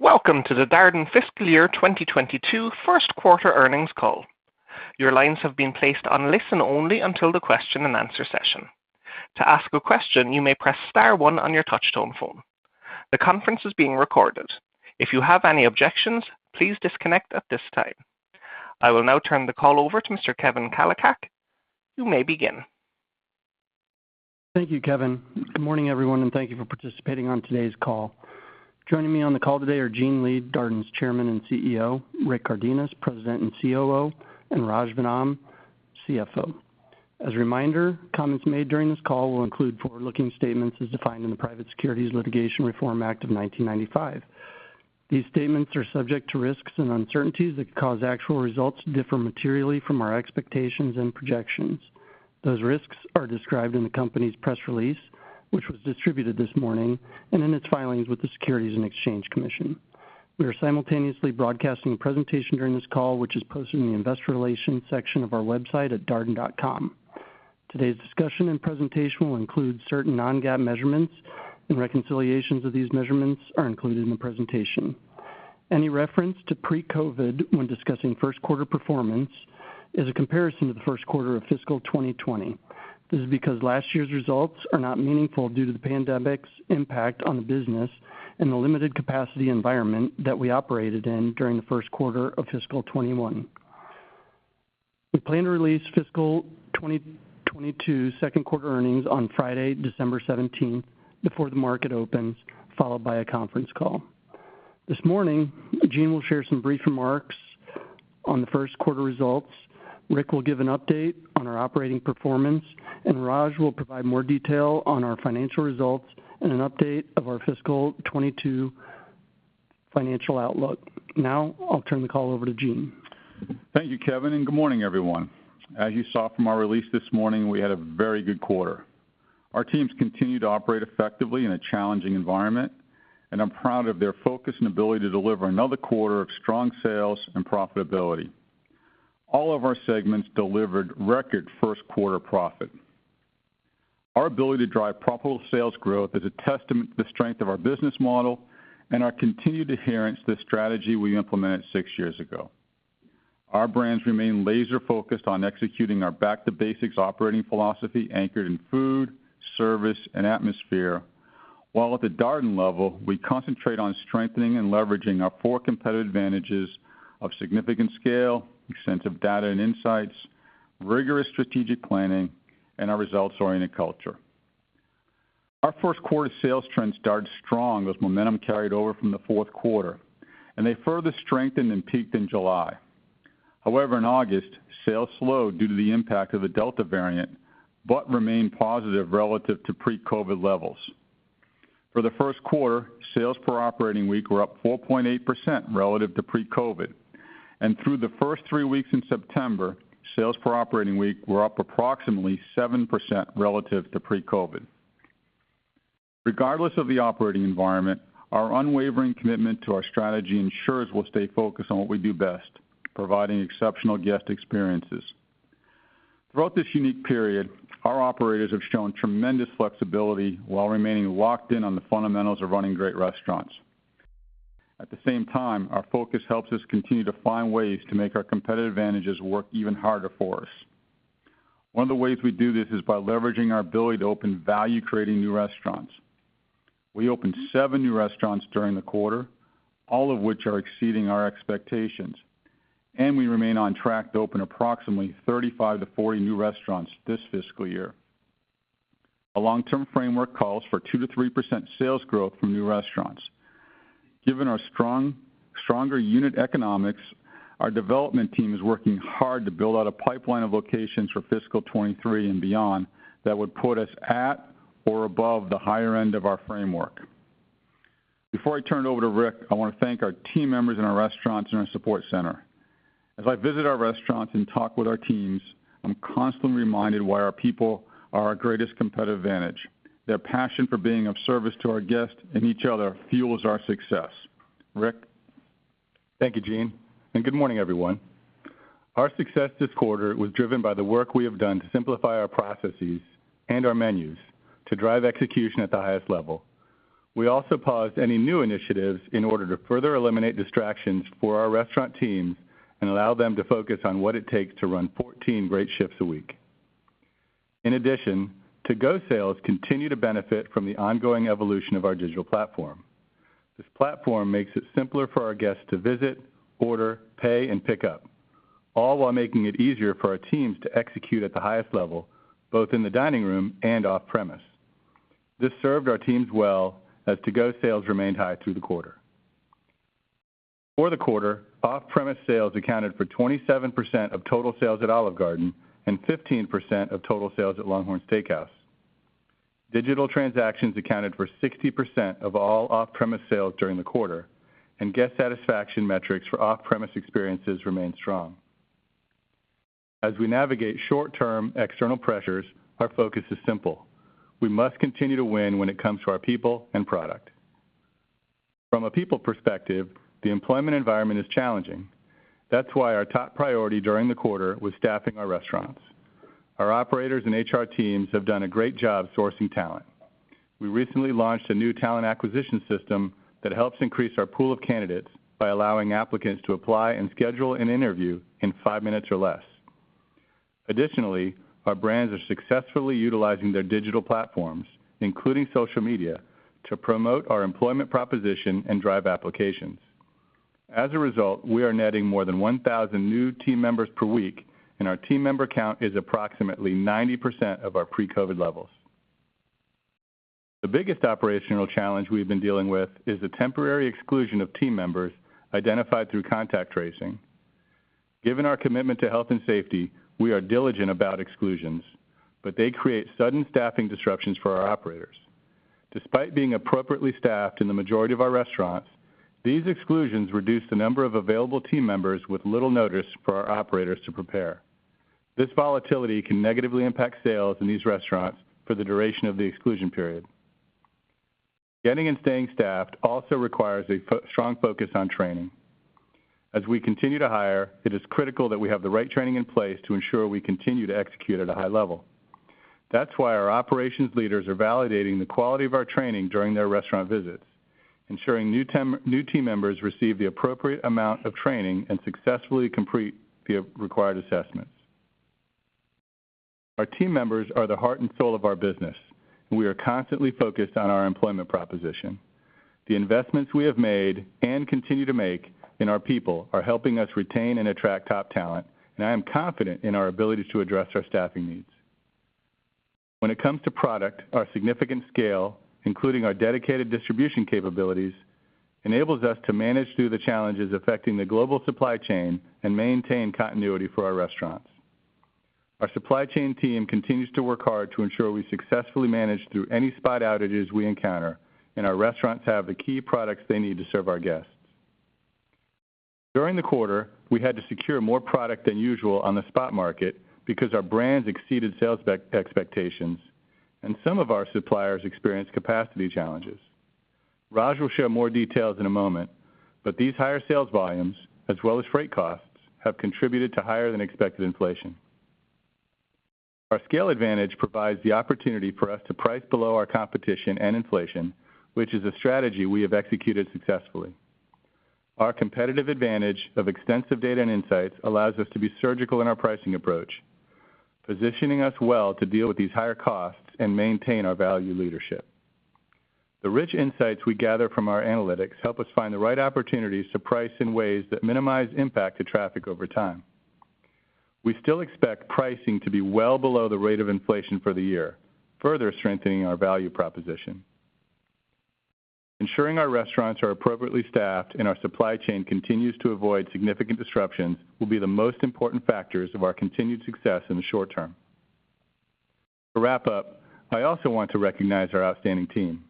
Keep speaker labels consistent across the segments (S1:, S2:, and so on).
S1: Welcome to the Darden Fiscal Year 2022 first quarter earnings call. Your lines have been placed on listen-only until the question-and-answer session. To ask a question you may press star one on your touch-tone phone. The conference is being recorded. If you have any objections please disconnect at this time. I will now turn the call over to Mr. Kevin Kalicak. You may begin.
S2: Thank you, Kevin. Good morning, everyone, and thank you for participating on today's call. Joining me on the call today are Gene Lee, Darden's Chairman and CEO, Rick Cardenas, President and COO, and Raj Vennam, CFO. As a reminder, comments made during this call will include forward-looking statements as defined in the Private Securities Litigation Reform Act of 1995. These statements are subject to risks and uncertainties that could cause actual results to differ materially from our expectations and projections. Those risks are described in the company's press release, which was distributed this morning, and in its filings with the Securities and Exchange Commission. We are simultaneously broadcasting a presentation during this call, which is posted in the investor relations section of our website at darden.com. Today's discussion and presentation will include certain non-GAAP measurements and reconciliations of these measurements are included in the presentation. Any reference to pre-COVID when discussing first quarter performance is a comparison to the first quarter of fiscal 2020. This is because last year's results are not meaningful due to the pandemic's impact on the business and the limited capacity environment that we operated in during the first quarter of fiscal 2021. We plan to release fiscal 2022 second quarter earnings on Friday, December 17th, before the market opens, followed by a conference call. This morning, Gene will share some brief remarks on the first quarter results. Rick will give an update on our operating performance, and Raj will provide more detail on our financial results and an update of our fiscal 2022 financial outlook. Now, I'll turn the call over to Gene.
S3: Thank you, Kevin, and good morning, everyone. As you saw from our release this morning, we had a very good quarter. Our teams continue to operate effectively in a challenging environment, and I'm proud of their focus and ability to deliver another quarter of strong sales and profitability. All of our segments delivered record first quarter profit. Our ability to drive profitable sales growth is a testament to the strength of our business model and our continued adherence to the strategy we implemented six years ago. Our brands remain laser focused on executing our back to basics operating philosophy anchored in food, service, and atmosphere, while at the Darden level, we concentrate on strengthening and leveraging our four competitive advantages of significant scale, extensive data and insights, rigorous strategic planning, and our results-oriented culture. Our first quarter sales trends started strong as momentum carried over from the fourth quarter, and they further strengthened and peaked in July. However, in August, sales slowed due to the impact of the Delta variant, but remained positive relative to pre-COVID levels. For the first quarter, sales per operating week were up 4.8% relative to pre-COVID, and through the first three weeks in September, sales per operating week were up approximately 7% relative to pre-COVID. Regardless of the operating environment, our unwavering commitment to our strategy ensures we'll stay focused on what we do best, providing exceptional guest experiences. Throughout this unique period, our operators have shown tremendous flexibility while remaining locked in on the fundamentals of running great restaurants. At the same time, our focus helps us continue to find ways to make our competitive advantages work even harder for us. One of the ways we do this is by leveraging our ability to open value creating new restaurants. We opened seven new restaurants during the quarter, all of which are exceeding our expectations, and we remain on track to open approximately 35-40 new restaurants this fiscal year. A long-term framework calls for 2%-3% sales growth from new restaurants. Given our stronger unit economics, our development team is working hard to build out a pipeline of locations for fiscal 2023 and beyond that would put us at or above the higher end of our framework. Before I turn it over to Rick, I want to thank our team members in our restaurants and our support center. As I visit our restaurants and talk with our teams, I'm constantly reminded why our people are our greatest competitive advantage. Their passion for being of service to our guests and each other fuels our success. Rick?
S4: Thank you, Gene. Good morning, everyone. Our success this quarter was driven by the work we have done to simplify our processes and our menus to drive execution at the highest level. We also paused any new initiatives in order to further eliminate distractions for our restaurant teams and allow them to focus on what it takes to run 14 great shifts a week. In addition, to-go sales continue to benefit from the ongoing evolution of our digital platform. This platform makes it simpler for our guests to visit, order, pay, and pick up, all while making it easier for our teams to execute at the highest level, both in the dining room and off-premise. This served our teams well as to-go sales remained high through the quarter. For the quarter, off-premise sales accounted for 27% of total sales at Olive Garden and 15% of total sales at LongHorn Steakhouse. Digital transactions accounted for 60% of all off-premise sales during the quarter, and guest satisfaction metrics for off-premise experiences remained strong. As we navigate short-term external pressures, our focus is simple. We must continue to win when it comes to our people and product. From a people perspective, the employment environment is challenging. That's why our top priority during the quarter was staffing our restaurants. Our operators and HR teams have done a great job sourcing talent. We recently launched a new talent acquisition system that helps increase our pool of candidates by allowing applicants to apply and schedule an interview in five minutes or less. Additionally, our brands are successfully utilizing their digital platforms, including social media, to promote our employment proposition and drive applications. As a result, we are netting more than 1,000 new team members per week, and our team member count is approximately 90% of our pre-COVID levels. The biggest operational challenge we've been dealing with is the temporary exclusion of team members identified through contact tracing. Given our commitment to health and safety, we are diligent about exclusions, but they create sudden staffing disruptions for our operators. Despite being appropriately staffed in the majority of our restaurants, these exclusions reduce the number of available team members with little notice for our operators to prepare. This volatility can negatively impact sales in these restaurants for the duration of the exclusion period. Getting and staying staffed also requires a strong focus on training. As we continue to hire, it is critical that we have the right training in place to ensure we continue to execute at a high level. That's why our operations leaders are validating the quality of our training during their restaurant visits, ensuring new team members receive the appropriate amount of training and successfully complete the required assessments. Our team members are the heart and soul of our business. We are constantly focused on our employment proposition. The investments we have made and continue to make in our people are helping us retain and attract top talent, and I am confident in our ability to address our staffing needs. When it comes to product, our significant scale, including our dedicated distribution capabilities, enables us to manage through the challenges affecting the global supply chain and maintain continuity for our restaurants. Our supply chain team continues to work hard to ensure we successfully manage through any spot outages we encounter, and our restaurants have the key products they need to serve our guests. During the quarter, we had to secure more product than usual on the spot market because our brands exceeded sales expectations and some of our suppliers experienced capacity challenges. Raj will share more details in a moment, but these higher sales volumes, as well as freight costs, have contributed to higher than expected inflation. Our scale advantage provides the opportunity for us to price below our competition and inflation, which is a strategy we have executed successfully. Our competitive advantage of extensive data and insights allows us to be surgical in our pricing approach, positioning us well to deal with these higher costs and maintain our value leadership. The rich insights we gather from our analytics help us find the right opportunities to price in ways that minimize impact to traffic over time. We still expect pricing to be well below the rate of inflation for the year, further strengthening our value proposition. Ensuring our restaurants are appropriately staffed and our supply chain continues to avoid significant disruptions will be the most important factors of our continued success in the short term. To wrap up, I also want to recognize our outstanding team.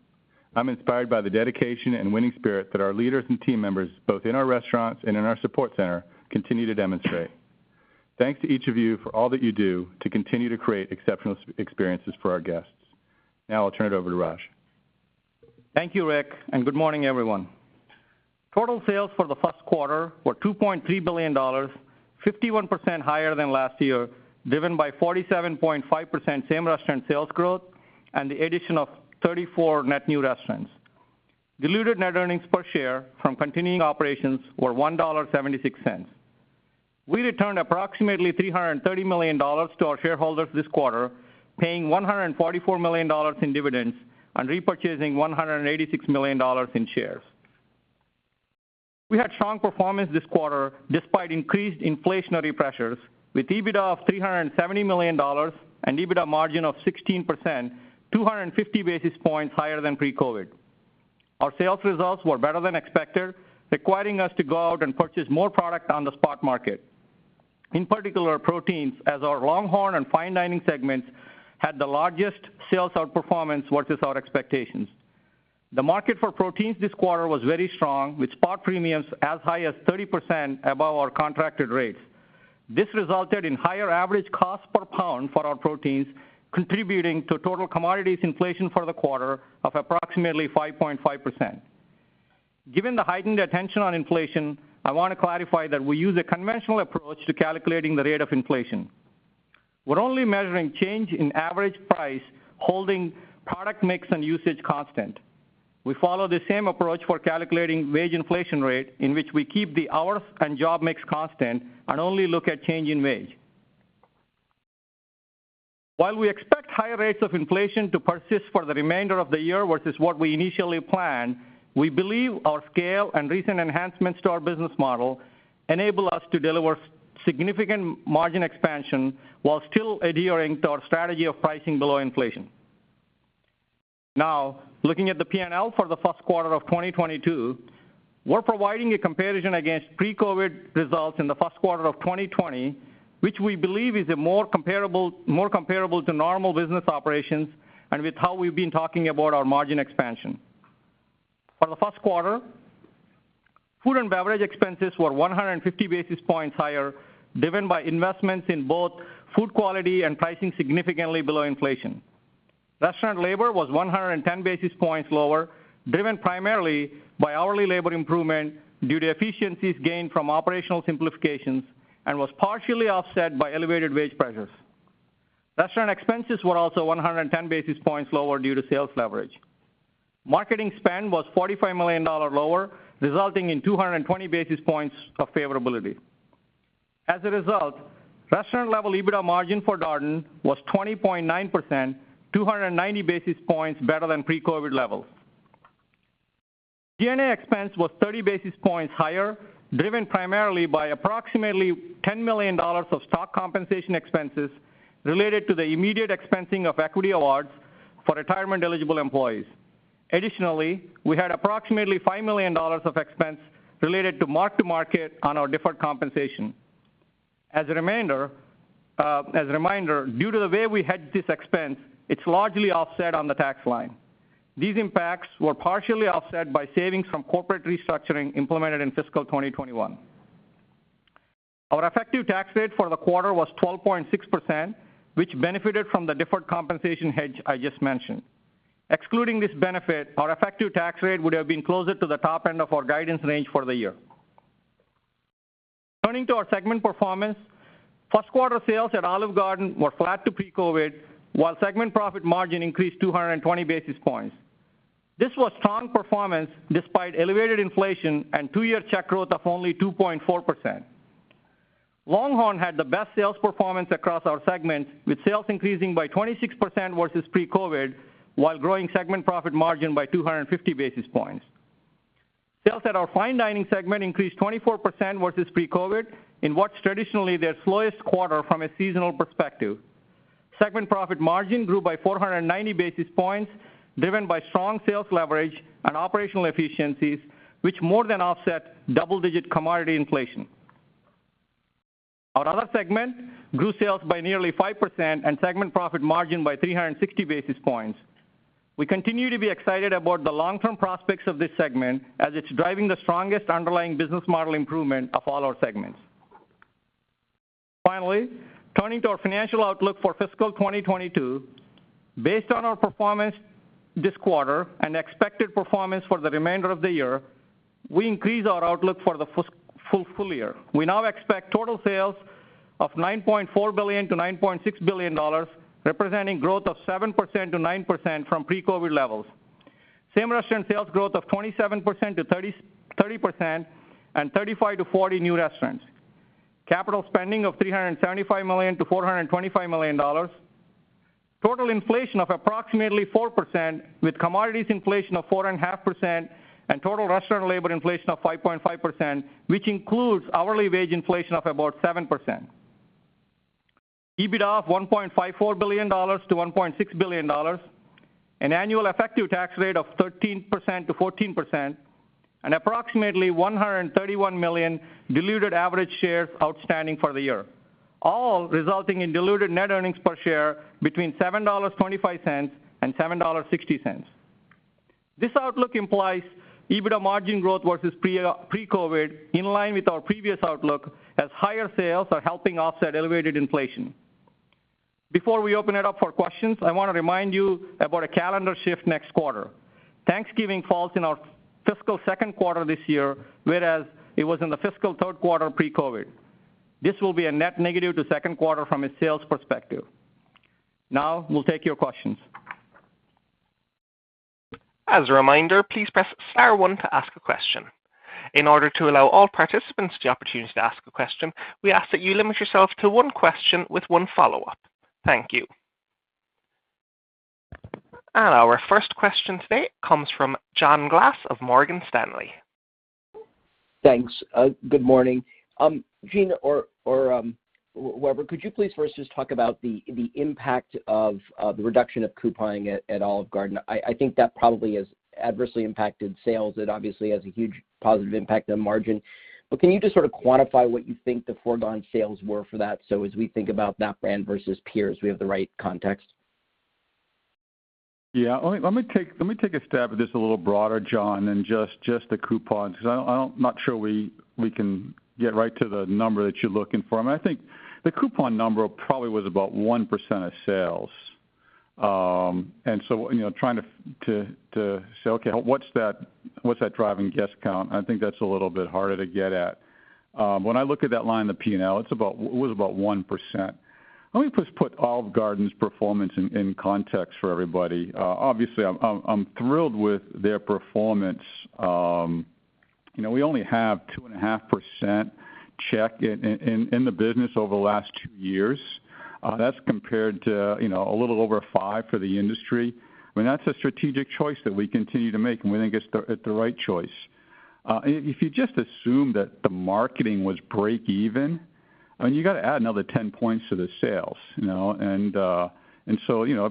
S4: I'm inspired by the dedication and winning spirit that our leaders and team members, both in our restaurants and in our support center, continue to demonstrate. Thanks to each of you for all that you do to continue to create exceptional experiences for our guests. Now I'll turn it over to Raj.
S5: Thank you, Rick, and good morning, everyone. Total sales for the first quarter were $2.3 billion, 51% higher than last year, driven by 47.5% same restaurant sales growth and the addition of 34 net new restaurants. Diluted net earnings per share from continuing operations were $1.76. We returned approximately $330 million to our shareholders this quarter, paying $144 million in dividends and repurchasing $186 million in shares. We had strong performance this quarter despite increased inflationary pressures with EBITDA of $370 million and EBITDA margin of 16%, 250 basis points higher than pre-COVID. Our sales results were better than expected, requiring us to go out and purchase more product on the spot market. In particular, proteins, as our LongHorn and Fine Dining segments, had the largest sales outperformance versus our expectations. The market for proteins this quarter was very strong, with spot premiums as high as 30% above our contracted rates. This resulted in higher average cost per pound for our proteins, contributing to total commodities inflation for the quarter of approximately 5.5%. Given the heightened attention on inflation, I want to clarify that we use a conventional approach to calculating the rate of inflation. We're only measuring change in average price, holding product mix and usage constant. We follow the same approach for calculating wage inflation rate, in which we keep the hours and job mix constant and only look at change in wage. While we expect higher rates of inflation to persist for the remainder of the year versus what we initially planned, we believe our scale and recent enhancements to our business model enable us to deliver significant margin expansion while still adhering to our strategy of pricing below inflation. Looking at the P&L for the first quarter of 2022, we're providing a comparison against pre-COVID results in the first quarter of 2020, which we believe is more comparable to normal business operations and with how we've been talking about our margin expansion. For the first quarter, food and beverage expenses were 150 basis points higher, driven by investments in both food quality and pricing significantly below inflation. Restaurant labor was 110 basis points lower, driven primarily by hourly labor improvement due to efficiencies gained from operational simplifications, and was partially offset by elevated wage pressures. Restaurant expenses were also 110 basis points lower due to sales leverage. Marketing spend was $45 million lower, resulting in 220 basis points of favorability. As a result, restaurant level EBITDA margin for Darden was 20.9%, 290 basis points better than pre-COVID levels. G&A expense was 30 basis points higher, driven primarily by approximately $10 million of stock compensation expenses related to the immediate expensing of equity awards for retirement eligible employees. Additionally, we had approximately $5 million of expense related to mark-to-market on our deferred compensation. As a reminder, due to the way we hedge this expense, it's largely offset on the tax line. These impacts were partially offset by savings from corporate restructuring implemented in fiscal 2021. Our effective tax rate for the quarter was 12.6%, which benefited from the deferred compensation hedge I just mentioned. Excluding this benefit, our effective tax rate would've been closer to the top end of our guidance range for the year. Turning to our segment performance, first quarter sales at Olive Garden were flat to pre-COVID, while segment profit margin increased 220 basis points. This was strong performance despite elevated inflation and two-year check growth of only 2.4%. LongHorn had the best sales performance across our segments, with sales increasing by 26% versus pre-COVID, while growing segment profit margin by 250 basis points. Sales at our Fine Dining segment increased 24% versus pre-COVID in what's traditionally their slowest quarter from a seasonal perspective. Segment profit margin grew by 490 basis points, driven by strong sales leverage and operational efficiencies, which more than offset double-digit commodity inflation. Our Other segment grew sales by nearly 5% and segment profit margin by 360 basis points. We continue to be excited about the long-term prospects of this segment as it's driving the strongest underlying business model improvement of all our segments. Finally, turning to our financial outlook for fiscal 2022, based on our performance this quarter and expected performance for the remainder of the year, we increase our outlook for the full year. We now expect total sales of $9.4 billion-$9.6 billion, representing growth of 7%-9% from pre-COVID levels. Same restaurant sales growth of 27%-30%, and 35-40 new restaurants. Capital spending of $375 million-$425 million. Total inflation of approximately 4%, with commodities inflation of 4.5% and total restaurant labor inflation of 5.5%, which includes hourly wage inflation of about 7%. EBITDA of $1.54 billion-$1.6 billion. An annual effective tax rate of 13%-14%, and approximately 131 million diluted average shares outstanding for the year, all resulting in diluted net earnings per share between $7.25 and $7.60. This outlook implies EBITDA margin growth versus pre-COVID in line with our previous outlook, as higher sales are helping offset elevated inflation. Before we open it up for questions, I want to remind you about a calendar shift next quarter. Thanksgiving falls in our fiscal second quarter this year, whereas it was in the fiscal third quarter pre-COVID. This will be a net negative to second quarter from a sales perspective. Now, we'll take your questions.
S1: As a reminder, please press star one to ask a question. In order to allow all participants the opportunity to ask a question, we ask that you limit yourself to one question with one follow-up. Thank you. Our first question today comes from John Glass of Morgan Stanley.
S6: Thanks. Good morning. Gene or whoever, could you please first just talk about the impact of the reduction of couponing at Olive Garden? I think that probably has adversely impacted sales. It obviously has a huge positive impact on margin. Can you just sort of quantify what you think the foregone sales were for that so as we think about that brand versus peers, we have the right context?
S3: Yeah. Let me take a stab at this a little broader, John, than just the coupons, because I'm not sure we can get right to the number that you're looking for. I think the coupon number probably was about 1% of sales. Trying to say, okay, what's that driving guest count, I think that's a little bit harder to get at. When I look at that line in the P&L, it was about 1%. Let me just put Olive Garden's performance in context for everybody. Obviously, I'm thrilled with their performance. We only have 2.5% check in the business over the last two years. That's compared to a little over 5% for the industry. That's a strategic choice that we continue to make, and we think it's the right choice. If you just assume that the marketing was break even, you got to add another 10 points to the sales.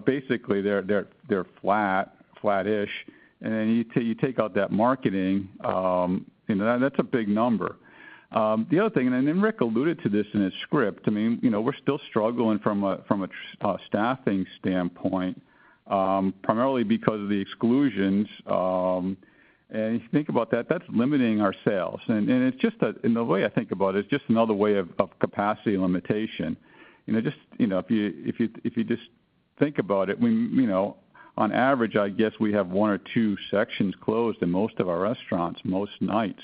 S3: Basically, they're flat-ish. You take out that marketing, that's a big number. The other thing, Rick alluded to this in his script, we're still struggling from a staffing standpoint, primarily because of the exclusions. If you think about that's limiting our sales. The way I think about it's just another way of capacity limitation. If you just think about it. On average, I guess we have one or two sections closed in most of our restaurants most nights.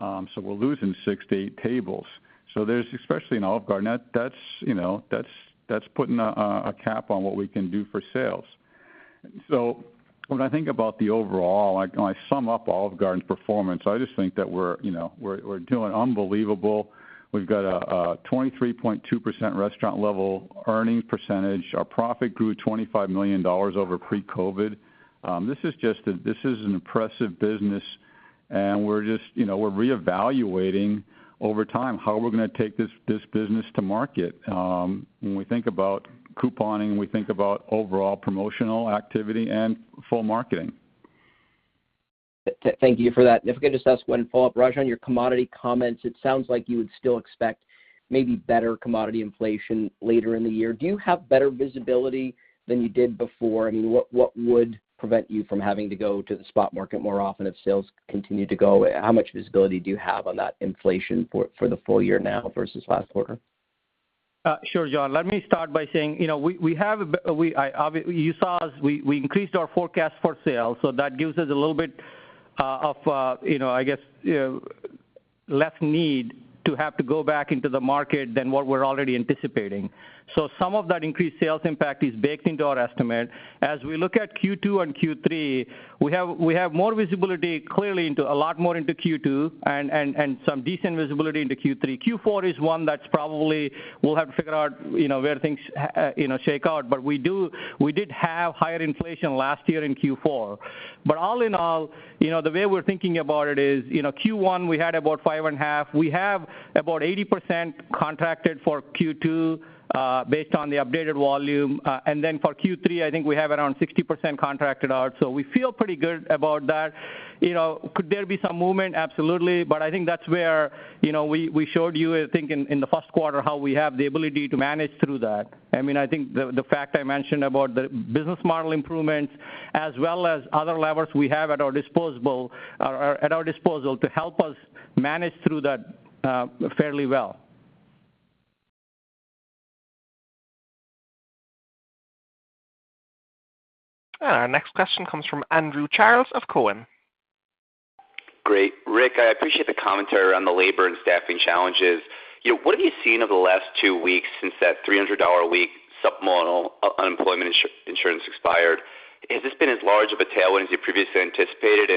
S3: We're losing six to eight tables. There's, especially in Olive Garden, that's putting a cap on what we can do for sales. When I think about the overall, I sum up Olive Garden's performance, I just think that we're doing unbelievable. We've got a 23.2% restaurant level earning percentage. Our profit grew $25 million over pre-COVID. This is an impressive business, and we're reevaluating over time how we're going to take this business to market. When we think about couponing, we think about overall promotional activity and full marketing.
S6: Thank you for that. If I could just ask one follow-up, Raj, on your commodity comments, it sounds like you would still expect maybe better commodity inflation later in the year. Do you have better visibility than you did before? What would prevent you from having to go to the spot market more often if sales continue to go? How much visibility do you have on that inflation for the full year now versus last quarter?
S5: Sure, John. Let me start by saying, you saw as we increased our forecast for sales, that gives us a little bit of less need to have to go back into the market than what we're already anticipating. Some of that increased sales impact is baked into our estimate. As we look at Q2 and Q3, we have more visibility, clearly, a lot more into Q2 and some decent visibility into Q3. Q4 is one that probably we'll have to figure out where things shake out. We did have higher inflation last year in Q4. All in all, the way we're thinking about it is, Q1, we had about five and a half. We have about 80% contracted for Q2, based on the updated volume. For Q3, I think we have around 60% contracted out. We feel pretty good about that. Could there be some movement? Absolutely. I think that's where we showed you, I think in the first quarter, how we have the ability to manage through that. I think the fact I mentioned about the business model improvements as well as other levers we have at our disposal to help us manage through that fairly well.
S1: Our next question comes from Andrew Charles of Cowen.
S7: Great. Rick, I appreciate the commentary around the labor and staffing challenges. What have you seen over the last two weeks since that $300 a week supplemental unemployment insurance expired? Has this been as large of a tailwind as you previously anticipated?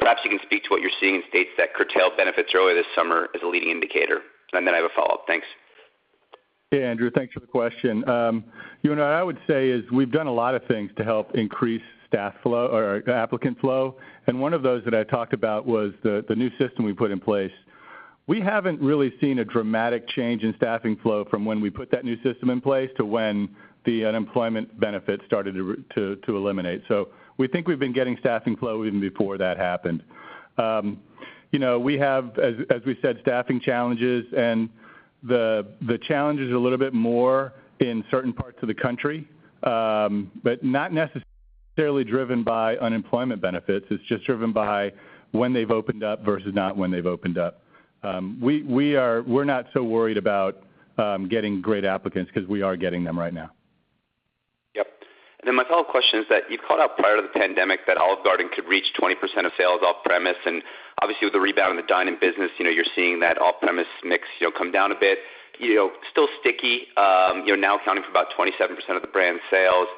S7: Perhaps you can speak to what you're seeing in states that curtailed benefits earlier this summer as a leading indicator. Then I have a follow-up. Thanks.
S4: Yeah, Andrew, thanks for the question. What I would say is we've done a lot of things to help increase applicant flow. One of those that I talked about was the new system we put in place. We haven't really seen a dramatic change in staffing flow from when we put that new system in place to when the unemployment benefits started to eliminate. We think we've been getting staffing flow even before that happened. We have, as we said, staffing challenges, and the challenge is a little bit more in certain parts of the country. Not necessarily driven by unemployment benefits. It's just driven by when they've opened up versus not when they've opened up. We're not so worried about getting great applicants because we are getting them right now.
S7: Yep. My follow-up question is that you've called out prior to the pandemic that Olive Garden could reach 20% of sales off-premise, and obviously with the rebound in the dine-in business, you're seeing that off-premise mix come down a bit. Still sticky, now accounting for about 27% of the brand's sales.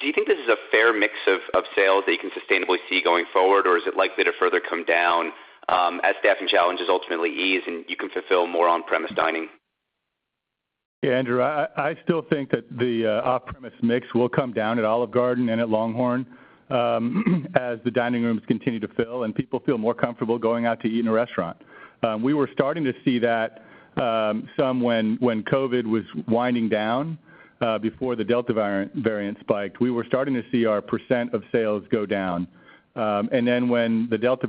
S7: Do you think this is a fair mix of sales that you can sustainably see going forward, or is it likely to further come down as staffing challenges ultimately ease and you can fulfill more on-premise dining?
S4: Yeah, Andrew, I still think that the off-premise mix will come down at Olive Garden and at LongHorn as the dining rooms continue to fill and people feel more comfortable going out to eat in a restaurant. We were starting to see that some when COVID was winding down, before the Delta variant spiked. We were starting to see our percent of sales go down. When the Delta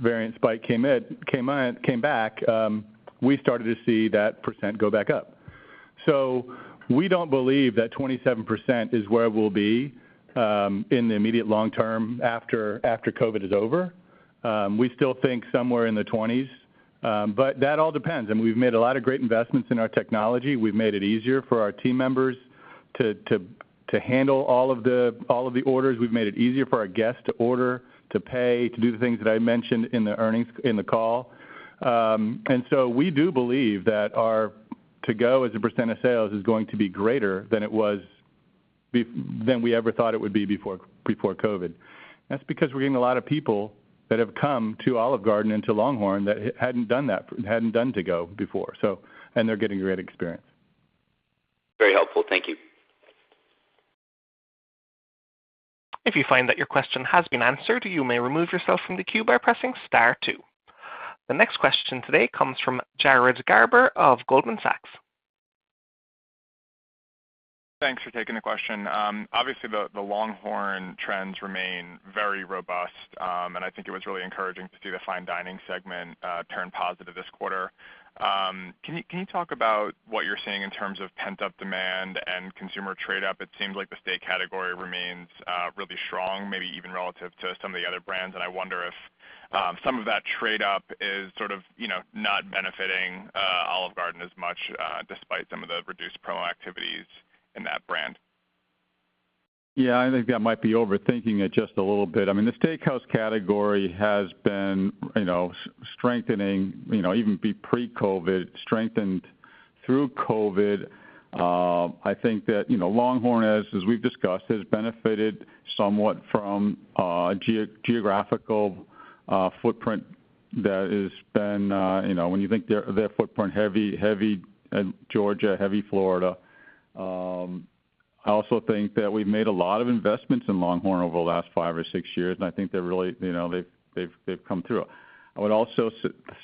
S4: variant spike came back, we started to see that percent go back up. We don't believe that 27% is where we'll be in the immediate long term after COVID is over. We still think somewhere in the 20s. That all depends, and we've made a lot of great investments in our technology. We've made it easier for our team members to handle all of the orders. We've made it easier for our guests to order, to pay, to do the things that I mentioned in the call. We do believe that our to-go as a percent of sales is going to be greater than we ever thought it would be before COVID. That's because we're getting a lot of people that have come to Olive Garden and to LongHorn that hadn't done to go before. They're getting a great experience.
S7: Very helpful. Thank you.
S1: If you find that your question has been answered, you may remove yourself from the queue by pressing star two. The next question today comes from Jared Garber of Goldman Sachs.
S8: Thanks for taking the question. Obviously, the LongHorn trends remain very robust, and I think it was really encouraging to see the Fine Dining segment turn positive this quarter. Can you talk about what you're seeing in terms of pent-up demand and consumer trade up? It seems like the steak category remains really strong, maybe even relative to some of the other brands. I wonder if some of that trade-up is not benefiting Olive Garden as much, despite some of the reduced promo activities in that brand.
S3: Yeah. I think that might be overthinking it just a little bit. The steakhouse category has been strengthening, even pre-COVID, strengthened through COVID. I think that LongHorn, as we've discussed, has benefited somewhat from a geographical footprint that has been, when you think their footprint heavy Georgia, heavy Florida. I also think that we've made a lot of investments in LongHorn over the last five or six years, and I think they've come through. I would also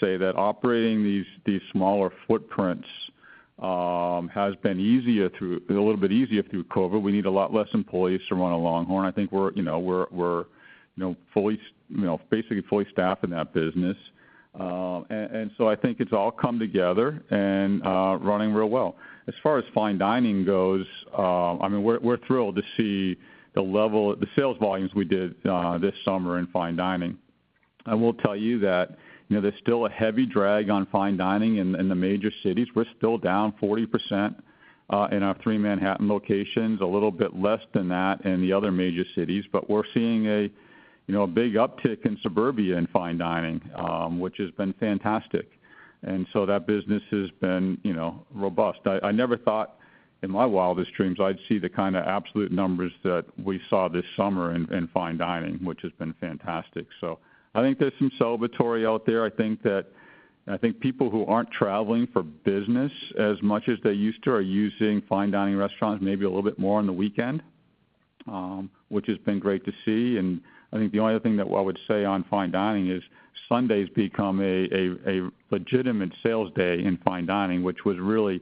S3: say that operating these smaller footprints has been a little bit easier through COVID. We need a lot less employees to run a LongHorn. I think we're basically fully staffed in that business. I think it's all come together and running real well. As far as Fine Dining goes, we're thrilled to see the sales volumes we did this summer in Fine Dining. I will tell you that there's still a heavy drag on Fine Dining in the major cities. We're still down 40% in our three Manhattan locations, a little bit less than that in the other major cities. We're seeing a big uptick in suburbia in Fine Dining, which has been fantastic. That business has been robust. I never thought in my wildest dreams I'd see the kind of absolute numbers that we saw this summer in Fine Dining, which has been fantastic. I think there's some celebratory out there. I think people who aren't traveling for business as much as they used to are using Fine Dining restaurants maybe a little bit more on the weekend, which has been great to see. I think the only other thing that I would say on Fine Dining is Sundays become a legitimate sales day in Fine Dining, which was really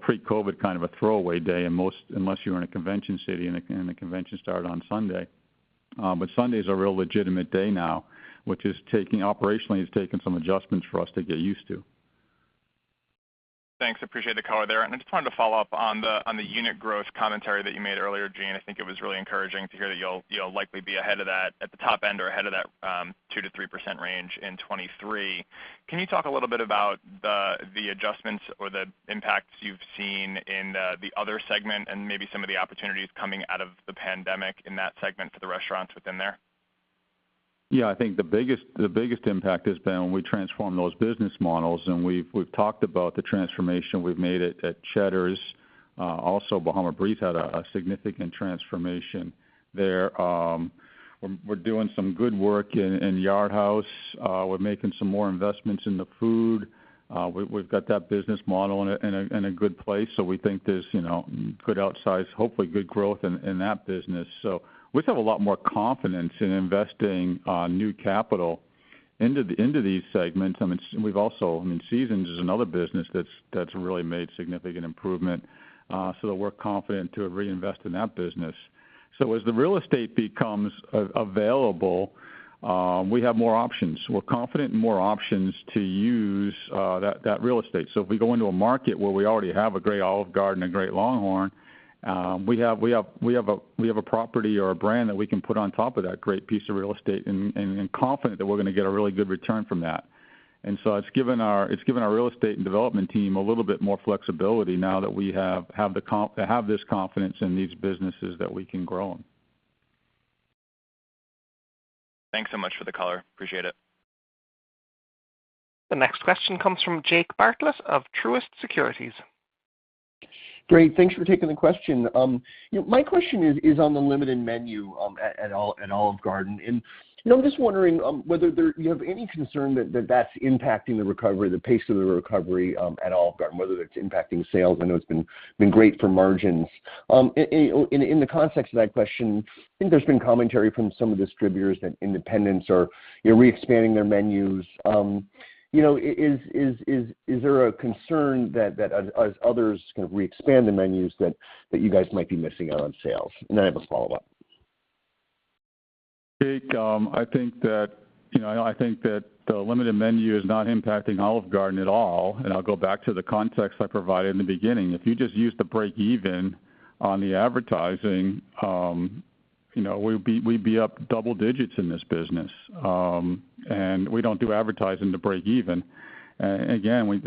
S3: pre-COVID kind of a throwaway day, unless you were in a convention city and the convention started on Sunday. Sunday is a real legitimate day now, which operationally has taken some adjustments for us to get used to.
S8: Thanks. Appreciate the color there. I just wanted to follow up on the unit growth commentary that you made earlier, Gene. I think it was really encouraging to hear that you'll likely be ahead of that at the top end or ahead of that 2%-3% range in 2023. Can you talk a little bit about the adjustments or the impacts you've seen in the Other segment and maybe some of the opportunities coming out of the pandemic in that segment for the restaurants within there?
S3: Yeah. I think the biggest impact has been when we transform those business models and we've talked about the transformation we've made at Cheddar's. Bahama Breeze had a significant transformation there. We're doing some good work in Yard House. We're making some more investments in the food. We've got that business model in a good place. We think there's good outsize, hopefully good growth in that business. We have a lot more confidence in investing new capital into these segments. Seasons is another business that's really made significant improvement, that we're confident to reinvest in that business. As the real estate becomes available, we have more options. We're confident in more options to use that real estate. If we go into a market where we already have a great Olive Garden, a great LongHorn, we have a property or a brand that we can put on top of that great piece of real estate and confident that we're going to get a really good return from that. It's given our real estate and development team a little bit more flexibility now that we have this confidence in these businesses that we can grow them.
S8: Thanks so much for the color. Appreciate it.
S1: The next question comes from Jake Bartlett of Truist Securities.
S9: Great. Thanks for taking the question. My question is on the limited menu at Olive Garden. I'm just wondering whether you have any concern that that's impacting the recovery, the pace of the recovery, at Olive Garden, whether it's impacting sales. I know it's been great for margins. In the context of that question, I think there's been commentary from some of the distributors that independents are re-expanding their menus. Is there a concern that as others kind of re-expand the menus, that you guys might be missing out on sales? I have a follow-up.
S3: Jake, I think that the limited menu is not impacting Olive Garden at all, and I'll go back to the context I provided in the beginning. If you just use the break even on the advertising, we'd be up double digits in this business. We don't do advertising to break even. Again,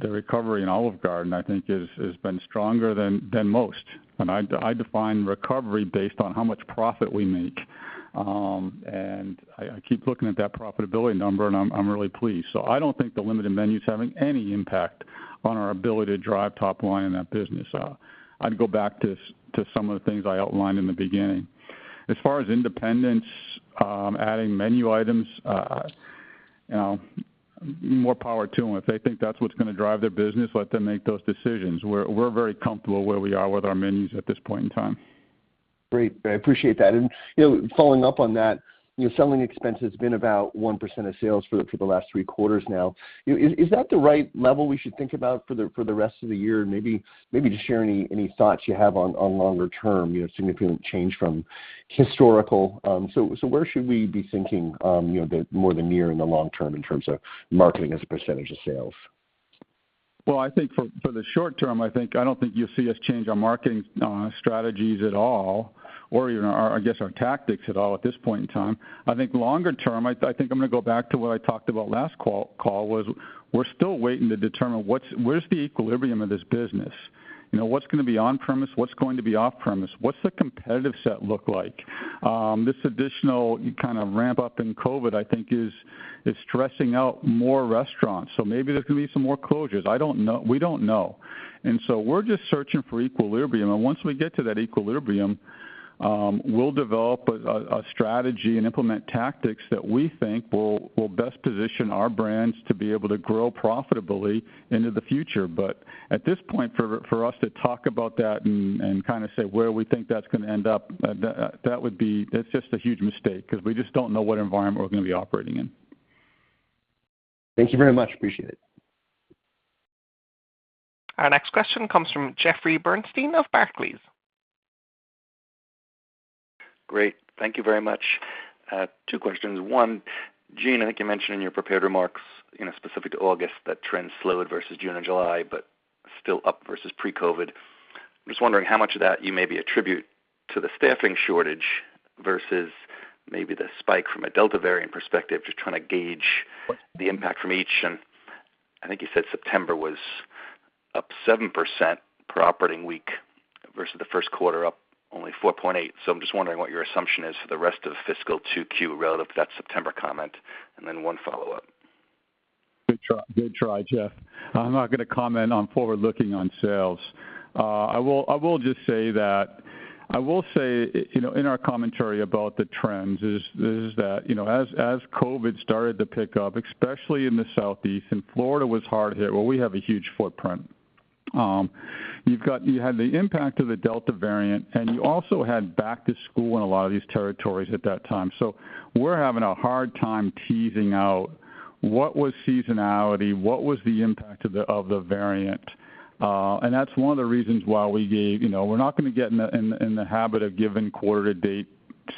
S3: the recovery in Olive Garden, I think has been stronger than most. I define recovery based on how much profit we make. I keep looking at that profitability number, and I'm really pleased. I don't think the limited menu's having any impact on our ability to drive top line in that business. I'd go back to some of the things I outlined in the beginning. As far as independents adding menu items, more power to them. If they think that's what's going to drive their business, let them make those decisions. We're very comfortable where we are with our menus at this point in time.
S9: Great. I appreciate that. Following up on that, selling expense has been about 1% of sales for the last three quarters now. Is that the right level we should think about for the rest of the year? Maybe just share any thoughts you have on longer term, significant change from historical. Where should we be thinking more the near and the long term in terms of marketing as a percentage of sales?
S3: Well, I think for the short term, I don't think you'll see us change our marketing strategies at all or even, I guess, our tactics at all at this point in time. I think longer term, I think I'm going to go back to what I talked about last call was we're still waiting to determine where's the equilibrium of this business. What's going to be on-premise, what's going to be off-premise? What's the competitive set look like? This additional kind of ramp-up in COVID, I think, is stressing out more restaurants, so maybe there can be some more closures. We don't know. We're just searching for equilibrium, and once we get to that equilibrium, we'll develop a strategy and implement tactics that we think will best position our brands to be able to grow profitably into the future. At this point, for us to talk about that and kind of say where we think that's going to end up, that's just a huge mistake because we just don't know what environment we're going to be operating in.
S9: Thank you very much. Appreciate it.
S1: Our next question comes from Jeffrey Bernstein of Barclays.
S10: Great. Thank you very much. Two questions. One, Gene, I think you mentioned in your prepared remarks, specific to August, that trends slowed versus June and July, but still up versus pre-COVID. I'm just wondering how much of that you maybe attribute to the staffing shortage versus maybe the spike from a Delta variant perspective, just trying to gauge the impact from each. I think you said September was up 7% per operating week versus the first quarter up only 4.8%. I'm just wondering what your assumption is for the rest of fiscal 2Q relative to that September comment. Then one follow-up.
S3: Good try, Jeff. I'm not going to comment on forward-looking on sales. I will say, in our commentary about the trends is that, as COVID started to pick up, especially in the Southeast, and Florida was hard hit, where we have a huge footprint. You had the impact of the Delta variant, and you also had back to school in a lot of these territories at that time. We're having a hard time teasing out what was seasonality, what was the impact of the variant. That's one of the reasons why- We're not going to get in the habit of giving quarter-to-date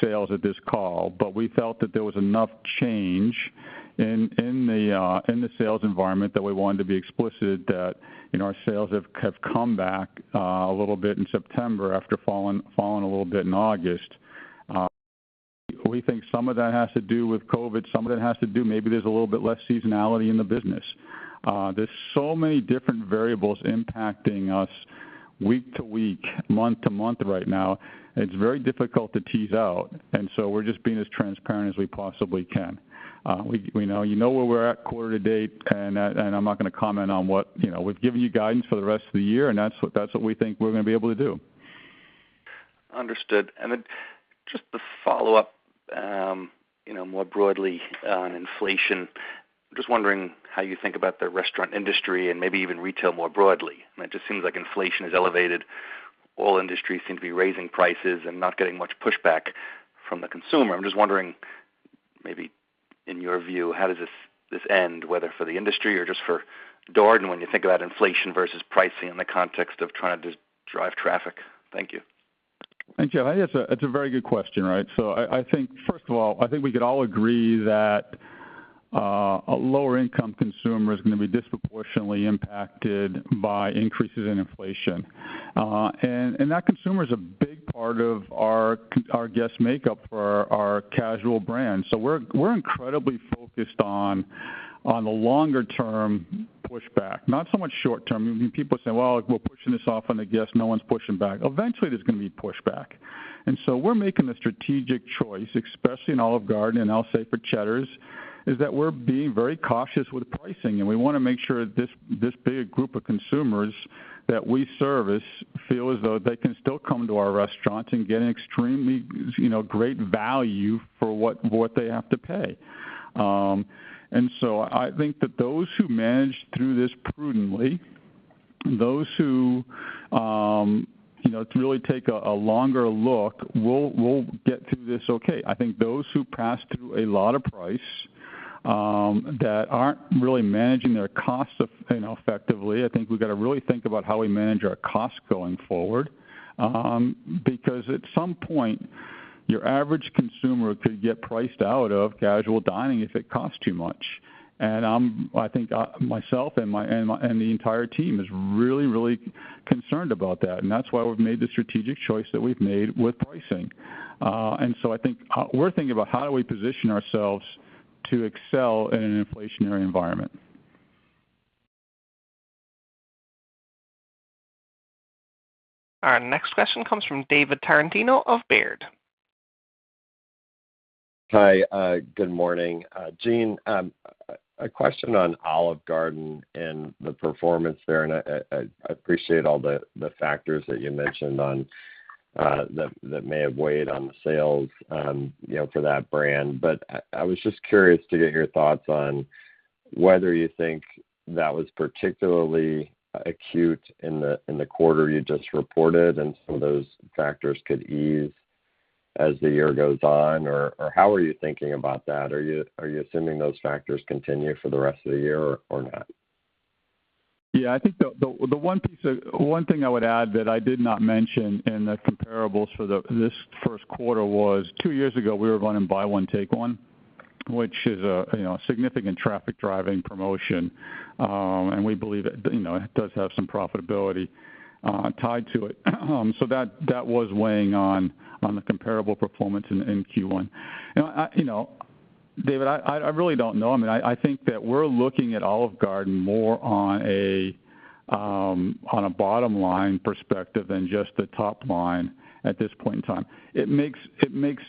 S3: sales at this call, but we felt that there was enough change in the sales environment that we wanted to be explicit that our sales have come back a little bit in September after falling a little bit in August. We think some of that has to do with COVID, some of that has to do, maybe there's a little bit less seasonality in the business. There's so many different variables impacting us week to week, month to month right now, it's very difficult to tease out, and so we're just being as transparent as we possibly can. You know where we're at quarter to date, and I'm not going to comment on. We've given you guidance for the rest of the year, and that's what we think we're going to be able to do.
S10: Understood. Then just to follow up, more broadly on inflation, I'm just wondering how you think about the restaurant industry and maybe even retail more broadly. It just seems like inflation has elevated. All industries seem to be raising prices and not getting much pushback from the consumer. I'm just wondering, maybe in your view, how does this end, whether for the industry or just for Darden, when you think about inflation versus pricing in the context of trying to drive traffic? Thank you.
S3: Thanks, Jeff. It's a very good question. I think, first of all, I think we could all agree that a lower income consumer is going to be disproportionately impacted by increases in inflation. That consumer is a big part of our guest makeup for our casual brand. We're incredibly focused on the longer term pushback, not so much short-term. People say, "Well, we're pushing this off on the guest. No one's pushing back." Eventually, there's going to be pushback. We're making a strategic choice, especially in Olive Garden, and I'll say for Cheddar's, is that we're being very cautious with pricing, and we want to make sure this big group of consumers that we service feel as though they can still come to our restaurants and get an extremely great value for what they have to pay. I think that those who manage through this prudently, those who really take a longer look will get through this okay. I think those who pass through a lot of price, that aren't really managing their costs effectively, I think we've got to really think about how we manage our costs going forward. Because at some point, your average consumer could get priced out of casual dining if it costs too much. I think myself and the entire team is really, really concerned about that, and that's why we've made the strategic choice that we've made with pricing. I think we're thinking about how do we position ourselves to excel in an inflationary environment.
S1: Our next question comes from David Tarantino of Baird.
S11: Hi. Good morning. Gene, a question on Olive Garden and the performance there, and I appreciate all the factors that you mentioned that may have weighed on the sales for that brand. I was just curious to get your thoughts on whether you think that was particularly acute in the quarter you just reported and some of those factors could ease as the year goes on. How are you thinking about that? Are you assuming those factors continue for the rest of the year or not?
S3: Yeah, I think the one thing I would add that I did not mention in the comparables for this first quarter was two years ago, we were running Buy One, Take One. Which is a significant traffic-driving promotion. We believe it does have some profitability tied to it. That was weighing on the comparable performance in Q1. David, I really don't know. I think that we're looking at Olive Garden more on a bottom-line perspective than just the top line at this point in time. It makes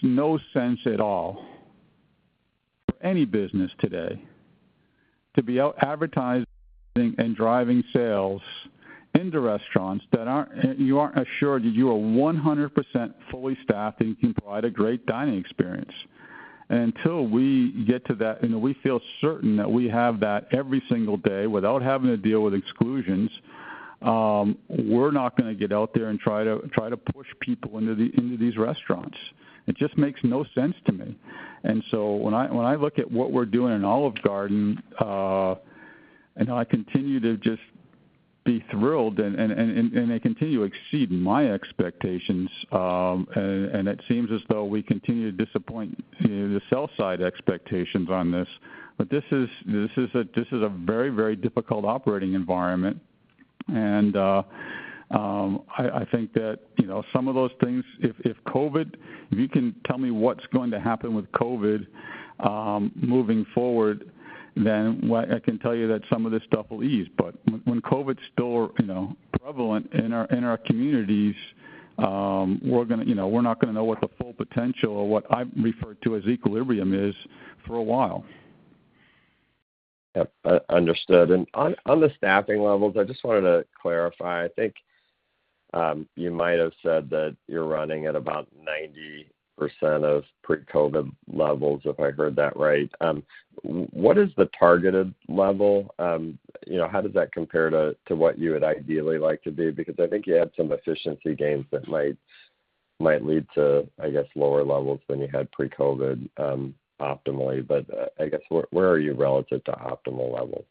S3: no sense at all for any business today to be out advertising and driving sales into restaurants that you aren't assured that you are 100% fully staffed and can provide a great dining experience. Until we get to that and we feel certain that we have that every single day without having to deal with exclusions, we're not going to get out there and try to push people into these restaurants. It just makes no sense to me. When I look at what we're doing in Olive Garden, and how I continue to just be thrilled and they continue to exceed my expectations. It seems as though we continue to disappoint the sell side expectations on this. This is a very, very difficult operating environment. I think that, some of those things, if you can tell me what's going to happen with COVID, moving forward, then I can tell you that some of this stuff will ease. When COVID's still prevalent in our communities, we're not going to know what the full potential or what I refer to as equilibrium is for a while.
S11: Yep. Understood. On the staffing levels, I just wanted to clarify, I think you might have said that you're running at about 90% of pre-COVID levels, if I heard that right. What is the targeted level? How does that compare to what you would ideally like to be? I think you had some efficiency gains that might lead to, I guess, lower levels than you had pre-COVID, optimally. I guess, where are you relative to optimal levels?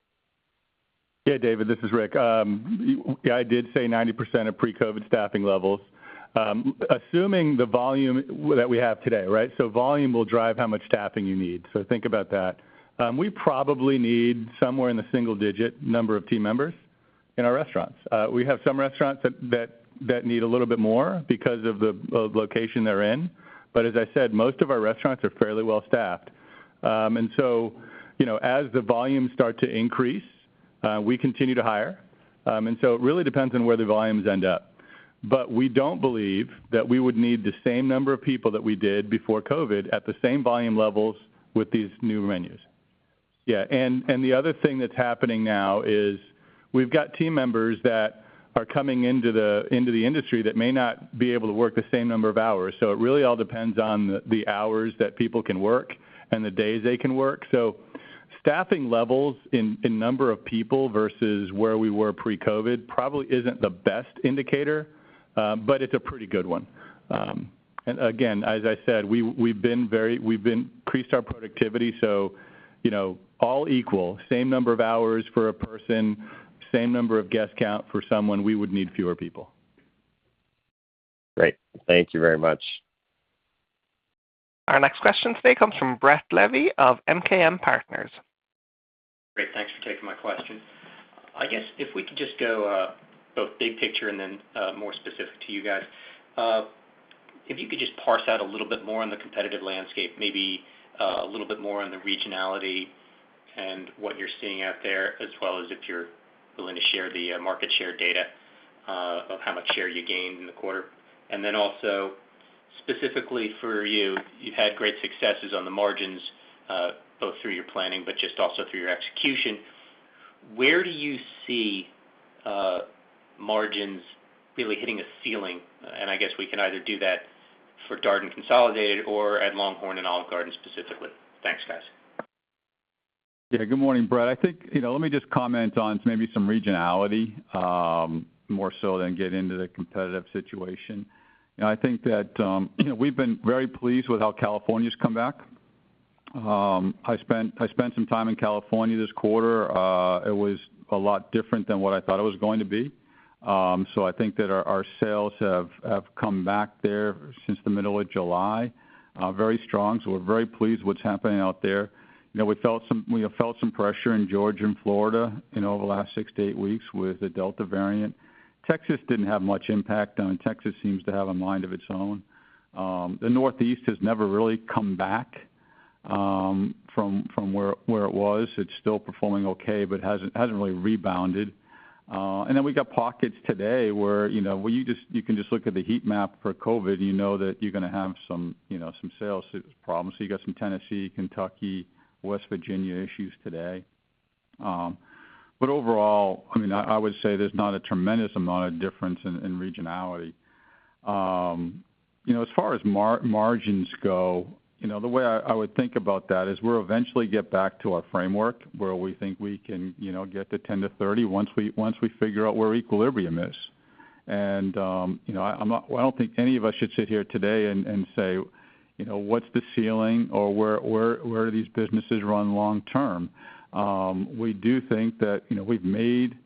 S4: David, this is Rick. I did say 90% of pre-COVID staffing levels. Assuming the volume that we have today, right? Volume will drive how much staffing you need. Think about that. We probably need somewhere in the single-digit number of team members in our restaurants. We have some restaurants that need a little bit more because of the location they're in. As I said, most of our restaurants are fairly well-staffed. As the volumes start to increase, we continue to hire. It really depends on where the volumes end up. We don't believe that we would need the same number of people that we did before COVID at the same volume levels with these new menus. The other thing that's happening now is we've got team members that are coming into the industry that may not be able to work the same number of hours. It really all depends on the hours that people can work and the days they can work. Staffing levels in number of people versus where we were pre-COVID, probably isn't the best indicator. It's a pretty good one. Again, as I said, we've increased our productivity so, all equal, same number of hours for a person, same number of guest count for someone, we would need fewer people.
S11: Great. Thank you very much.
S1: Our next question today comes from Brett Levy of MKM Partners.
S12: Great. Thanks for taking my question. If we could just go both big picture and then more specific to you guys. If you could just parse out a little bit more on the competitive landscape, maybe a little bit more on the regionality and what you're seeing out there, as well as if you're willing to share the market share data of how much share you gained in the quarter. Also specifically for you've had great successes on the margins, both through your planning, but just also through your execution. Where do you see margins really hitting a ceiling? We can either do that for Darden consolidated or at LongHorn and Olive Garden specifically. Thanks, guys.
S3: Good morning, Brett. Let me just comment on maybe some regionality, more so than get into the competitive situation. I think that we've been very pleased with how California's come back. I spent some time in California this quarter. It was a lot different than what I thought it was going to be. I think that our sales have come back there since the middle of July, very strong. We're very pleased what's happening out there. We have felt some pressure in Georgia and Florida over the last six to eight weeks with the Delta variant. Texas didn't have much impact. Texas seems to have a mind of its own. The Northeast has never really come back from where it was. It's still performing okay, but hasn't really rebounded. Then we've got pockets today where you can just look at the heat map for COVID and you know that you're going to have some sales problems. You got some Tennessee, Kentucky, West Virginia issues today. Overall, I would say there's not a tremendous amount of difference in regionality. As far as margins go, the way I would think about that is we'll eventually get back to our framework where we think we can get to 10%-30% once we figure out where equilibrium is. I don't think any of us should sit here today and say, "What's the ceiling?" Or, "Where are these businesses run long term?" We do think that we've made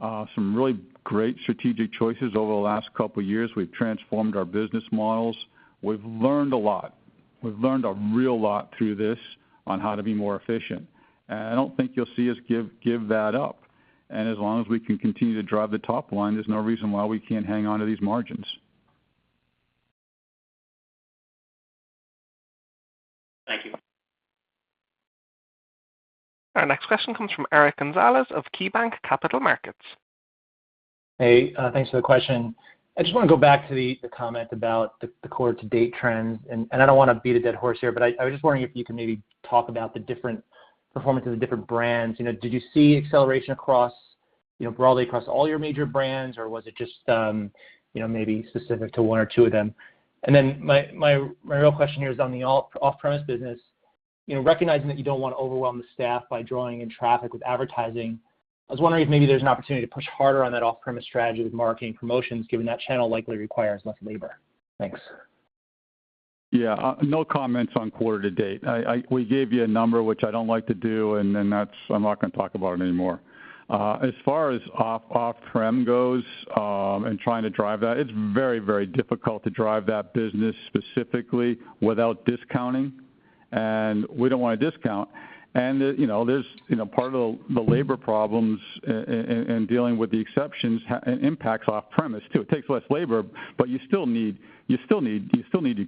S3: some really great strategic choices over the last couple years. We've transformed our business models. We've learned a lot. We've learned a real lot through this on how to be more efficient. I don't think you'll see us give that up. As long as we can continue to drive the top line, there's no reason why we can't hang on to these margins.
S12: Thank you.
S1: Our next question comes from Eric Gonzalez of KeyBanc Capital Markets.
S13: Hey, thanks for the question. I just want to go back to the comment about the quarter to date trends, and I don't want to beat a dead horse here, but I was just wondering if you could maybe talk about the different performances of different brands. Did you see acceleration broadly across all your major brands or was it just maybe specific to one or two of them? My real question here is on the off-premise business. Recognizing that you don't want to overwhelm the staff by drawing in traffic with advertising, I was wondering if maybe there's an opportunity to push harder on that off-premise strategy with marketing promotions, given that channel likely requires less labor. Thanks.
S3: Yeah. No comments on quarter to date. We gave you a number, which I don't like to do, then I'm not going to talk about it anymore. As far as off-prem goes, trying to drive that, it's very, very difficult to drive that business specifically without discounting. We don't want to discount. There's part of the labor problems and dealing with the exceptions, it impacts off-premise too. It takes less labor, you still need your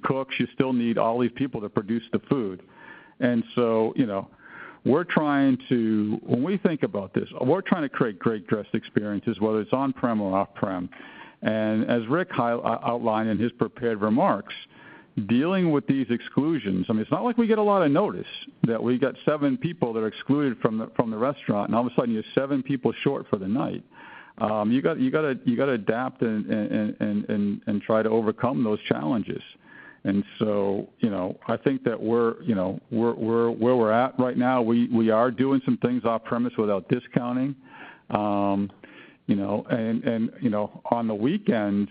S3: cooks, you still need all these people to produce the food. When we think about this, we're trying to create great guest experiences, whether it's on-prem or off-prem. As Rick outlined in his prepared remarks, dealing with these exclusions, I mean, it's not like we get a lot of notice that we got seven people that are excluded from the restaurant, and all of a sudden you're seven people short for the night. You got to adapt and try to overcome those challenges. I think that where we're at right now, we are doing some things off-premise without discounting. On the weekends,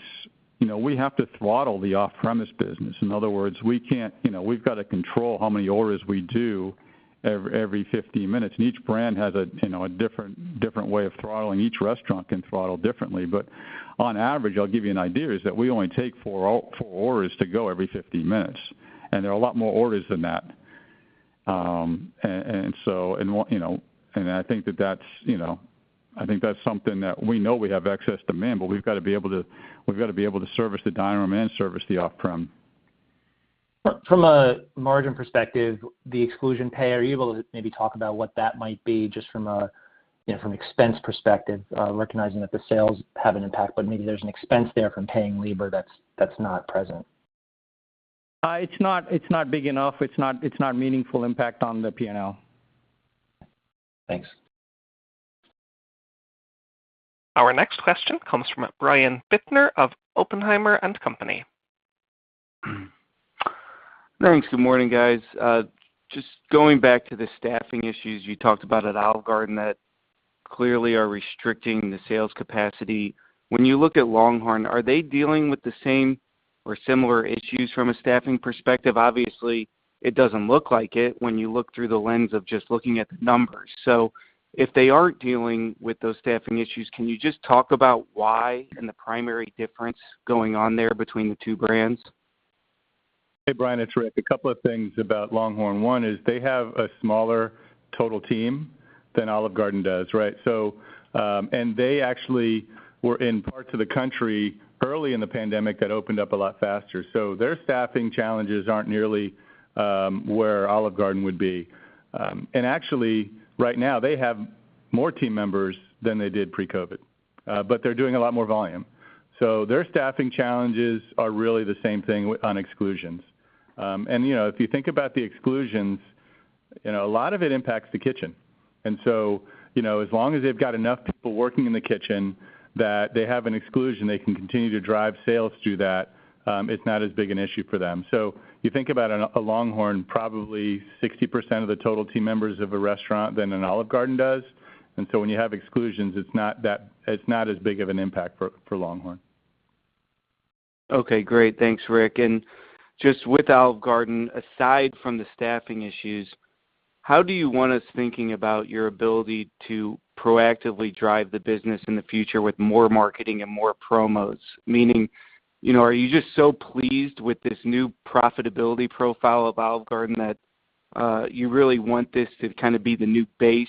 S3: we have to throttle the off-premise business. In other words, we've got to control how many orders we do every 15 minutes, and each brand has a different way of throttling. Each restaurant can throttle differently. On average, I'll give you an idea, is that we only take four orders to go every 15 minutes, and there are a lot more orders than that. I think that's something that we know we have excess demand, but we've got to be able to service the dine-in and service the off-prem.
S13: From a margin perspective, the exclusion pay, are you able to maybe talk about what that might be just from an expense perspective? Recognizing that the sales have an impact, but maybe there's an expense there from paying labor that's not present.
S5: It's not big enough. It's not a meaningful impact on the P&L.
S13: Thanks.
S1: Our next question comes from Brian Bittner of Oppenheimer & Co.
S14: Thanks. Good morning, guys. Just going back to the staffing issues you talked about at Olive Garden that clearly are restricting the sales capacity. When you look at LongHorn, are they dealing with the same or similar issues from a staffing perspective? Obviously, it doesn't look like it when you look through the lens of just looking at the numbers. If they aren't dealing with those staffing issues, can you just talk about why and the primary difference going on there between the two brands?
S4: Hey, Brian, it's Rick. A couple of things about LongHorn. One is they have a smaller total team than Olive Garden does, right? They actually were in parts of the country early in the pandemic that opened up a lot faster. Their staffing challenges aren't nearly where Olive Garden would be. Actually, right now, they have more team members than they did pre-COVID. They're doing a lot more volume. Their staffing challenges are really the same thing on exclusions. If you think about the exclusions, a lot of it impacts the kitchen. As long as they've got enough people working in the kitchen that they have an exclusion, they can continue to drive sales through that. It's not as big an issue for them. You think about a LongHorn, probably 60% of the total team members of a restaurant than an Olive Garden does. When you have exclusions, it is not as big of an impact for LongHorn.
S14: Okay, great. Thanks, Rick. Just with Olive Garden, aside from the staffing issues, how do you want us thinking about your ability to proactively drive the business in the future with more marketing and more promos? Meaning, are you just so pleased with this new profitability profile of Olive Garden that you really want this to kind of be the new base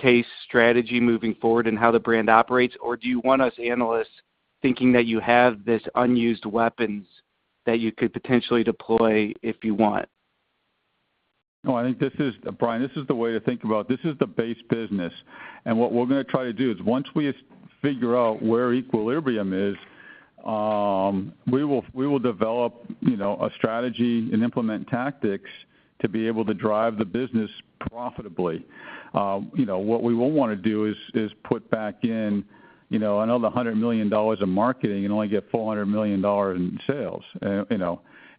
S14: case strategy moving forward in how the brand operates? Do you want us analysts thinking that you have these unused weapons that you could potentially deploy if you want?
S3: I think, Brian, this is the way to think about it. This is the base business, what we're going to try to do is once we figure out where equilibrium is, we will develop a strategy and implement tactics to be able to drive the business profitably. What we won't want to do is put back in another $100 million in marketing and only get $400 million in sales.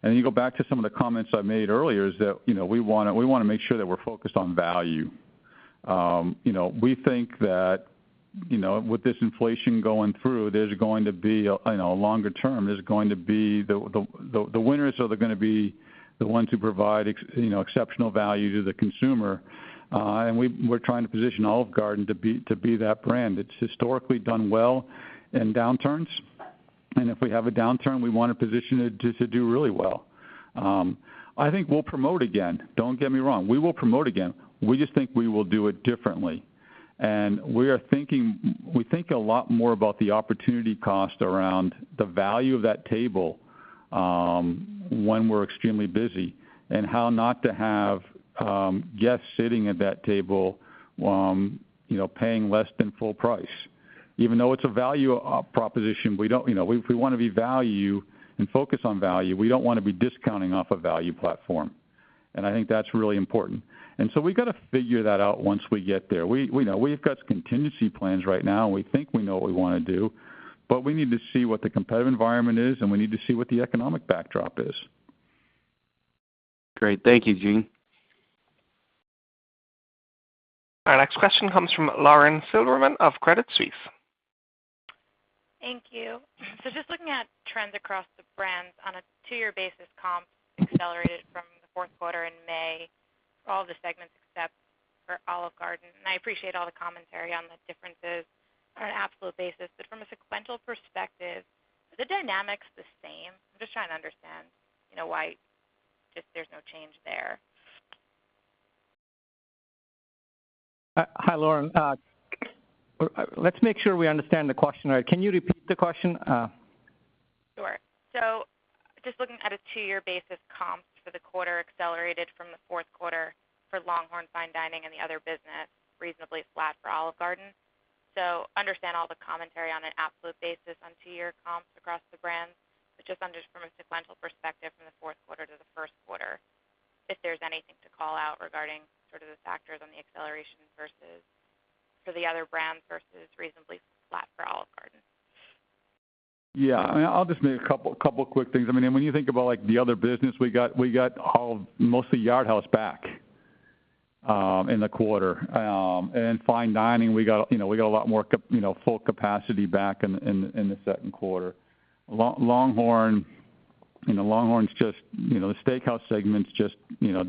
S3: You go back to some of the comments I made earlier, is that we want to make sure that we're focused on value. We think that with this inflation going through, longer term, the winners are going to be the ones who provide exceptional value to the consumer. We're trying to position Olive Garden to be that brand. It's historically done well in downturns. If we have a downturn, we want to position it just to do really well. I think we'll promote again, don't get me wrong. We will promote again. We just think we will do it differently. We think a lot more about the opportunity cost around the value of that table when we're extremely busy, and how not to have guests sitting at that table paying less than full price. Even though it's a value proposition, if we want to be value and focus on value, we don't want to be discounting off a value platform. I think that's really important. We've got to figure that out once we get there. We've got contingency plans right now. We think we know what we want to do. We need to see what the competitive environment is. We need to see what the economic backdrop is.
S14: Great. Thank you, Gene.
S1: Our next question comes from Lauren Silberman of Credit Suisse.
S15: Thank you. Looking at trends across the brands on a two-year basis, comp accelerated from the fourth quarter in May, all the segments except for Olive Garden. I appreciate all the commentary on the differences on an absolute basis. From a sequential perspective, are the dynamics the same? I'm just trying to understand why just there's no change there.
S5: Hi, Lauren. Let's make sure we understand the question right. Can you repeat the question?
S15: Sure. Just looking at a two-year basis comps for the quarter accelerated from the fourth quarter for LongHorn, Fine Dining and the Other business, reasonably flat for Olive Garden. Understand all the commentary on an absolute basis on two-year comps across the brands, but just from a sequential perspective from the fourth quarter to the first quarter, if there's anything to call out regarding sort of the factors on the acceleration for the other brands versus reasonably flat for Olive Garden.
S3: Yeah. I'll just make a couple quick things. When you think about the other business, we got mostly Yard House back in the quarter. Fine Dining, we got a lot more full capacity back in the second quarter. The steakhouse segment's just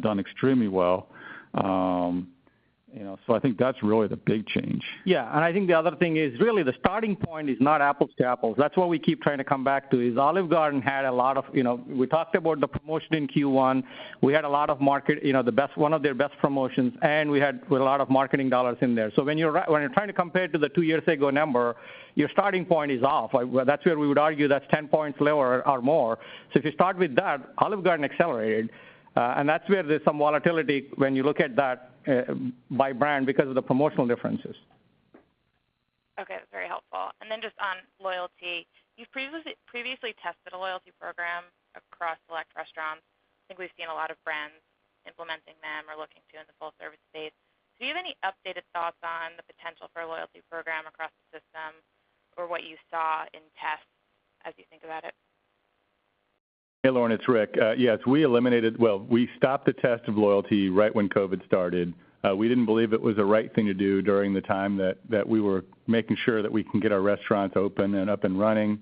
S3: done extremely well. I think that's really the big change.
S5: Yeah. I think the other thing is really the starting point is not apples to apples. That's what we keep trying to come back to, is Olive Garden had we talked about the promotion in Q1. We had one of their best promotions, and we had a lot of marketing dollars in there. When you're trying to compare to the two years ago number, your starting point is off. That's where we would argue that's 10 points lower or more. If you start with that, Olive Garden accelerated, and that's where there's some volatility when you look at that by brand because of the promotional differences.
S15: Okay. Very helpful. Just on loyalty, you've previously tested a loyalty program across select restaurants. I think we've seen a lot of brands implementing them or looking to in the full service space. Do you have any updated thoughts on the potential for a loyalty program across the system or what you saw in tests as you think about it?
S4: Hey, Lauren, it's Rick. Yes, we stopped the test of loyalty right when COVID started. We didn't believe it was the right thing to do during the time that we were making sure that we can get our restaurants open and up and running.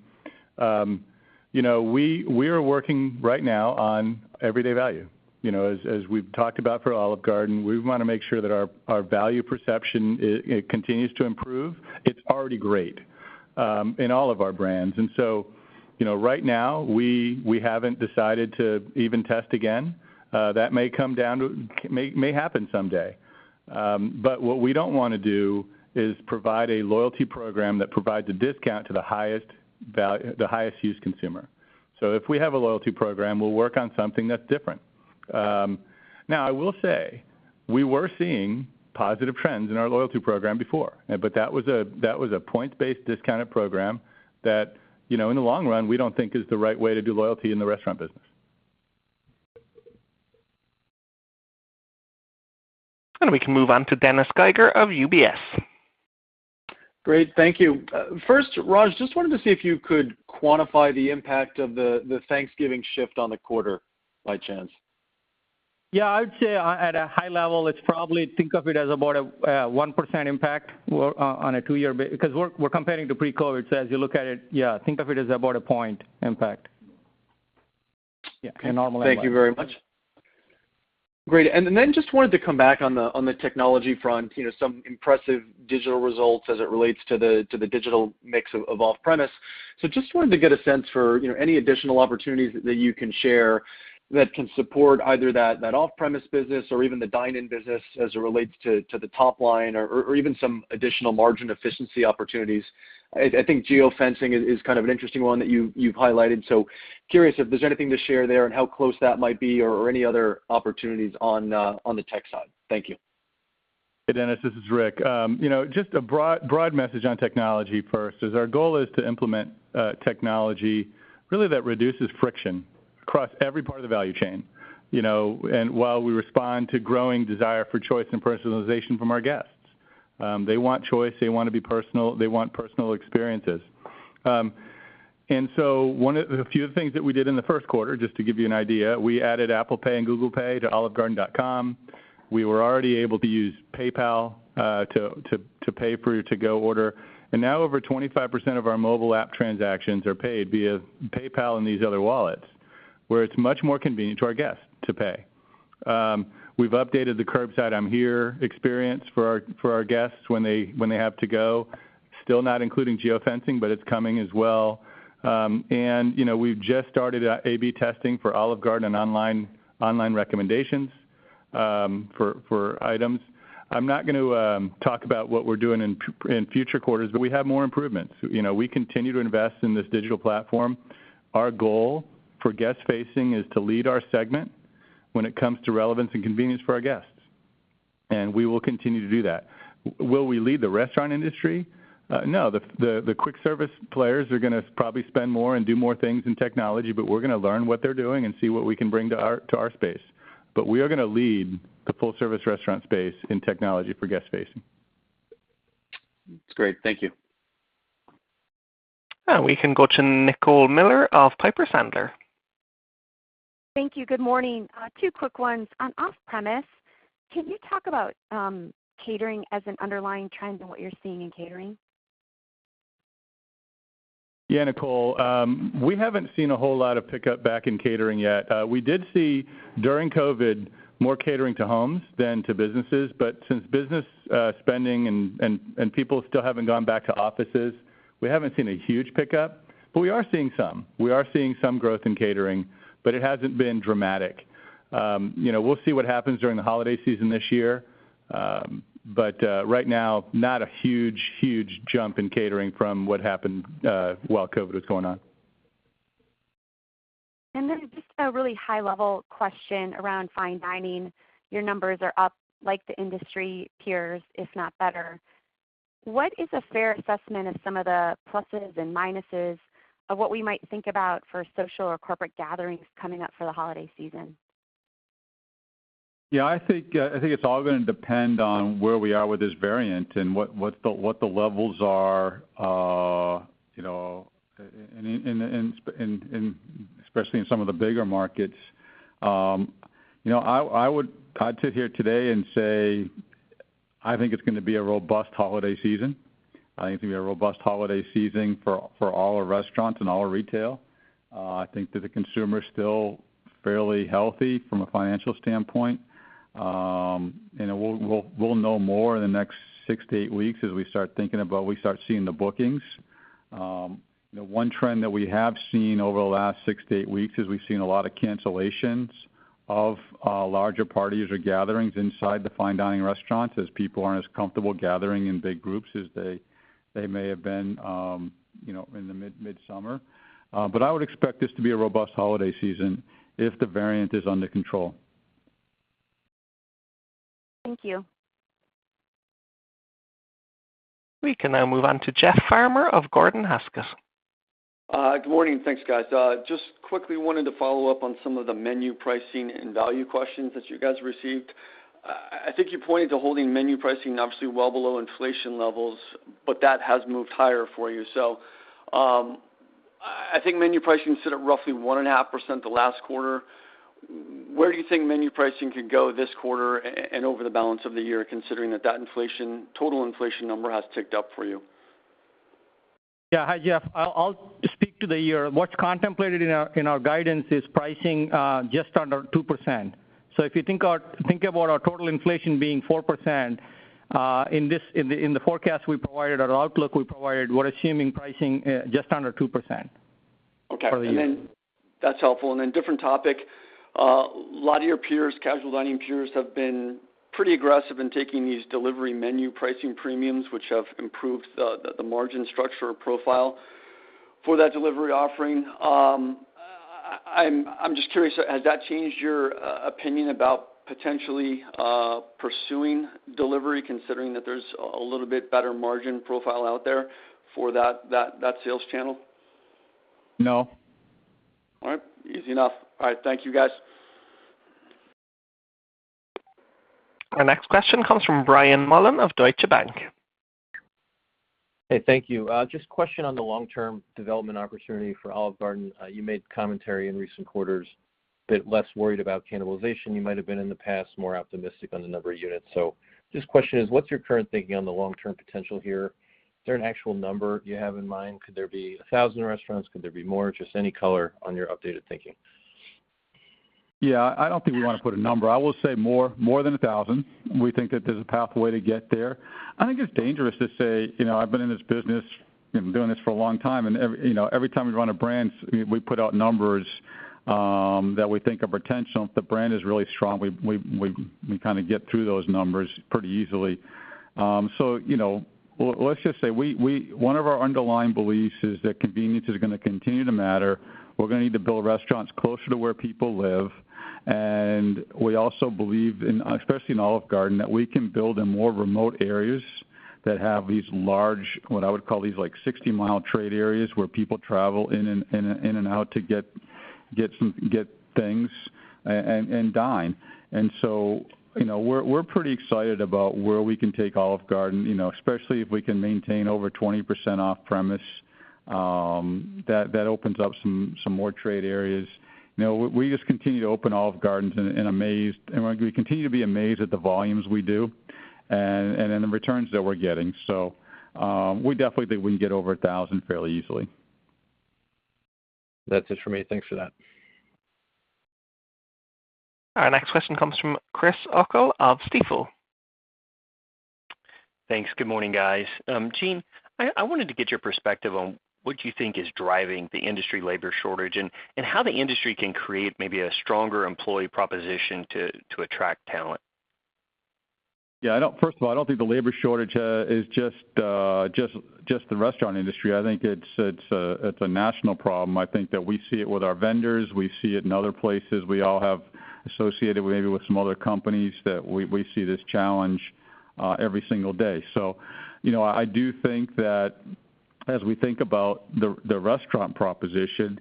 S4: We are working right now on everyday value. As we've talked about for Olive Garden, we want to make sure that our value perception continues to improve. It's already great in all of our brands. Right now, we haven't decided to even test again. That may happen someday. What we don't want to do is provide a loyalty program that provides a discount to the highest use consumer. If we have a loyalty program, we'll work on something that's different. Now, I will say, we were seeing positive trends in our loyalty program before. That was a points-based discounted program that, in the long run, we don't think is the right way to do loyalty in the restaurant business.
S1: We can move on to Dennis Geiger of UBS.
S16: Great. Thank you. First, Raj, just wanted to see if you could quantify the impact of the Thanksgiving shift on the quarter by chance?
S5: Yeah, I would say at a high level, it's probably think of it as about a 1% impact on a two-year because we're comparing to pre-COVID. As you look at it, yeah, think of it as about a point impact. Yeah.
S16: Thank you very much. Great. Just wanted to come back on the technology front, some impressive digital results as it relates to the digital mix of off-premise. Just wanted to get a sense for any additional opportunities that you can share that can support either that off-premise business or even the dine-in business as it relates to the top line or even some additional margin efficiency opportunities. I think geofencing is kind of an interesting one that you've highlighted. Curious if there's anything to share there and how close that might be or any other opportunities on the tech side. Thank you.
S4: Hey, Dennis, this is Rick. Just a broad message on technology first is our goal is to implement technology really that reduces friction across every part of the value chain and while we respond to growing desire for choice and personalization from our guests. They want choice. They want to be personal. They want personal experiences. A few of the things that we did in the first quarter, just to give you an idea, we added Apple Pay and Google Pay to olivegarden.com. We were already able to use PayPal to pay for your to-go order. Now over 25% of our mobile app transactions are paid via PayPal and these other wallets. Where it's much more convenient to our guests to pay. We've updated the curbside I'm here experience for our guests when they have to go. Still not including geofencing, it's coming as well. We've just started A/B testing for Olive Garden and online recommendations for items. I'm not going to talk about what we're doing in future quarters, we have more improvements. We continue to invest in this digital platform. Our goal for guest-facing is to lead our segment when it comes to relevance and convenience for our guests. We will continue to do that. Will we lead the restaurant industry? No. The quick service players are going to probably spend more and do more things in technology, we're going to learn what they're doing and see what we can bring to our space. We are going to lead the full-service restaurant space in technology for guest-facing.
S16: That's great. Thank you.
S1: Now we can go to Nicole Miller of Piper Sandler.
S17: Thank you. Good morning. Two quick ones. On off-premise, can you talk about catering as an underlying trend and what you're seeing in catering?
S4: Yeah, Nicole. We haven't seen a whole lot of pickup back in catering yet. We did see during COVID, more catering to homes than to businesses, but since business spending and people still haven't gone back to offices, we haven't seen a huge pickup. We are seeing some. We are seeing some growth in catering, but it hasn't been dramatic. We'll see what happens during the holiday season this year. Right now, not a huge jump in catering from what happened while COVID was going on.
S17: Just a really high-level question around Fine Dining. Your numbers are up like the industry peers, if not better. What is a fair assessment of some of the pluses and minuses of what we might think about for social or corporate gatherings coming up for the holiday season?
S4: Yeah, I think it's all going to depend on where we are with this variant and what the levels are, especially in some of the bigger markets. I'd sit here today and say I think it's going to be a robust holiday season. I think it's going to be a robust holiday season for all our restaurants and all our retail. I think that the consumer's still fairly healthy from a financial standpoint. We'll know more in the next six to eight weeks as we start seeing the bookings. 1 trend that we have seen over the last six to eight weeks is we've seen a lot of cancellations of larger parties or gatherings inside the Fine Dining restaurants as people aren't as comfortable gathering in big groups as they may have been in the mid-summer. I would expect this to be a robust holiday season if the variant is under control.
S17: Thank you.
S1: We can now move on to Jeff Farmer of Gordon Haskett.
S18: Good morning. Thanks, guys. Just quickly wanted to follow up on some of the menu pricing and value questions that you guys received. I think you pointed to holding menu pricing obviously well below inflation levels, but that has moved higher for you. I think menu pricing sit at roughly 1.5% the last quarter. Where do you think menu pricing could go this quarter and over the balance of the year, considering that that total inflation number has ticked up for you?
S5: Yeah. Hi, Jeff. I'll speak to the year. What's contemplated in our guidance is pricing just under 2%. If you think about our total inflation being 4%, in the forecast we provided, our outlook we provided, we're assuming pricing just under 2%.
S18: Okay.
S5: For the year.
S18: That's helpful. Different topic. A lot of your peers, casual dining peers, have been pretty aggressive in taking these delivery menu pricing premiums, which have improved the margin structure or profile for that delivery offering. I'm just curious, has that changed your opinion about potentially pursuing delivery, considering that there's a little bit better margin profile out there for that sales channel?
S4: No.
S18: All right. Easy enough. All right. Thank you, guys.
S1: Our next question comes from Brian Mullan of Deutsche Bank.
S19: Hey, thank you. Just a question on the long-term development opportunity for Olive Garden. You made commentary in recent quarters a bit less worried about cannibalization. You might've been in the past more optimistic on the number of units. Just a question is, what's your current thinking on the long-term potential here? Is there an actual number you have in mind? Could there be 1,000 restaurants? Could there be more? Just any color on your updated thinking.
S3: I don't think we want to put a number. I will say more than 1,000. We think that there's a pathway to get there. I think it's dangerous to say, I've been in this business, been doing this for a long time, and every time we run a brand, we put out numbers that we think are potential. If the brand is really strong, we kind of get through those numbers pretty easily. Let's just say one of our underlying beliefs is that convenience is going to continue to matter. We're going to need to build restaurants closer to where people live. We also believe, especially in Olive Garden, that we can build in more remote areas that have these large, what I would call these 60 mi trade areas where people travel in and out to get things and dine. We're pretty excited about where we can take Olive Garden, especially if we can maintain over 20% off-premise. That opens up some more trade areas. We just continue to open Olive Gardens and we continue to be amazed at the volumes we do. The returns that we're getting. We definitely think we can get over 1,000 fairly easily.
S19: That's it for me. Thanks for that.
S1: Our next question comes from Chris O'Cull of Stifel.
S20: Thanks. Good morning, guys. Gene, I wanted to get your perspective on what you think is driving the industry labor shortage, and how the industry can create maybe a stronger employee proposition to attract talent.
S3: Yeah. First of all, I don't think the labor shortage is just the restaurant industry. I think it's a national problem. I think that we see it with our vendors. We see it in other places. We all have associated maybe with some other companies that we see this challenge every single day. I do think that as we think about the restaurant proposition,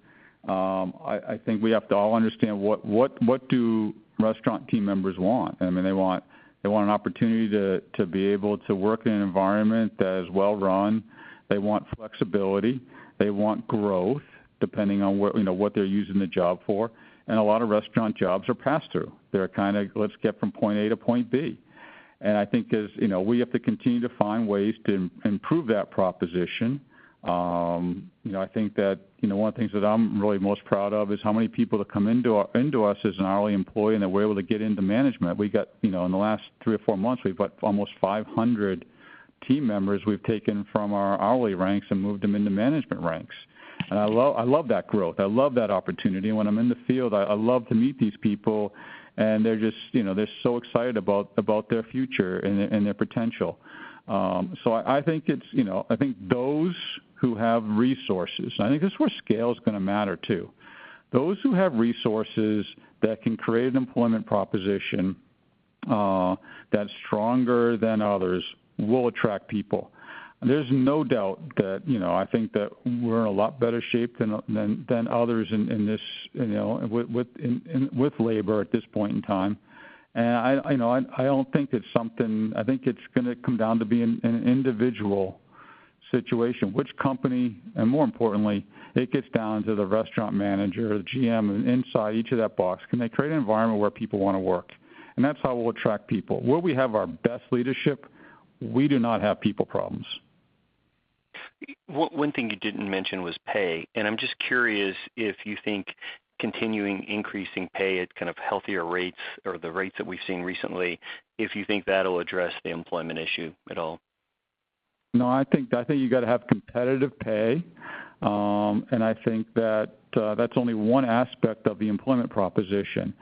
S3: I think we have to all understand what do restaurant team members want? They want an opportunity to be able to work in an environment that is well run. They want flexibility. They want growth, depending on what they're using the job for. A lot of restaurant jobs are pass-through. They're kind of let's get from point A to point B. I think as we have to continue to find ways to improve that proposition. I think that one of the things that I'm really most proud of is how many people that come into us as an hourly employee, and then we're able to get into management. In the last three or four months, we've got almost 500 team members we've taken from our hourly ranks and moved them into management ranks. I love that growth. I love that opportunity. When I'm in the field, I love to meet these people, and they're so excited about their future and their potential. I think those who have resources, I think this is where scale is going to matter, too. Those who have resources that can create an employment proposition that's stronger than others will attract people. There's no doubt that I think that we're in a lot better shape than others with labor at this point in time. I think it's going to come down to being an individual situation, which company, and more importantly, it gets down to the restaurant manager, the GM inside each of that box. Can they create an environment where people want to work? That's how we'll attract people. Where we have our best leadership, we do not have people problems.
S20: One thing you didn't mention was pay, and I'm just curious if you think continuing increasing pay at kind of healthier rates or the rates that we've seen recently, if you think that'll address the employment issue at all?
S3: No, I think you got to have competitive pay. I think that's only one aspect of the employment proposition.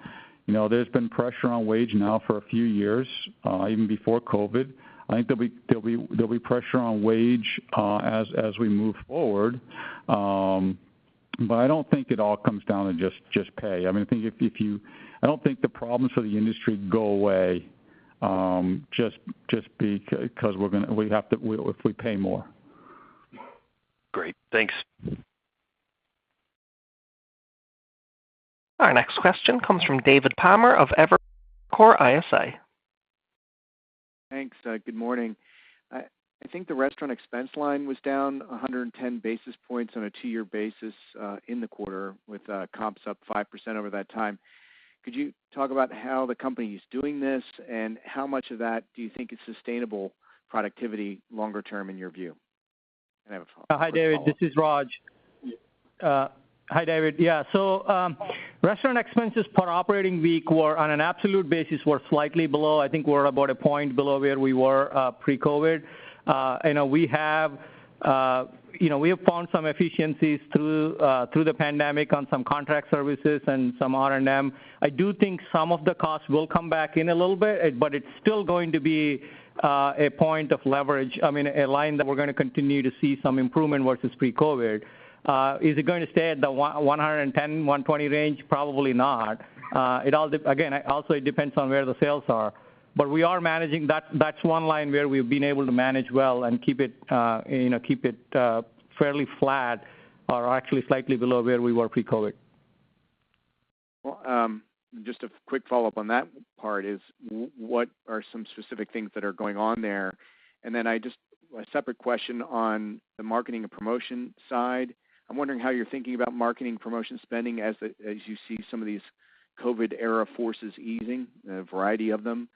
S3: There's been pressure on wage now for a few years, even before COVID. I think there'll be pressure on wage as we move forward. I don't think it all comes down to just pay. I don't think the problems for the industry go away just because if we pay more.
S20: Great. Thanks.
S1: Our next question comes from David Palmer of Evercore ISI.
S21: Thanks. Good morning. I think the restaurant expense line was down 110 basis points on a two-year basis, in the quarter with comps up 5% over that time. Could you talk about how the company's doing this, and how much of that do you think is sustainable productivity longer term in your view? I have a follow-up.
S5: Hi, David. This is Raj. Hi, David. Yeah. Restaurant expenses per operating week were on an absolute basis, were slightly below. I think we're about a point below where we were pre-COVID. We have found some efficiencies through the pandemic on some contract services and some R&M. I do think some of the costs will come back in a little bit, but it's still going to be a point of leverage, a line that we're going to continue to see some improvement versus pre-COVID. Is it going to stay at the 110 basis points-120 basis points range? Probably not. Again, also it depends on where the sales are, but we are managing. That's one line where we've been able to manage well and keep it fairly flat or actually slightly below where we were pre-COVID.
S21: Just a quick follow-up on that part is what are some specific things that are going on there? A separate question on the marketing and promotion side. I'm wondering how you're thinking about marketing promotion spending as you see some of these COVID era forces easing, a variety of them.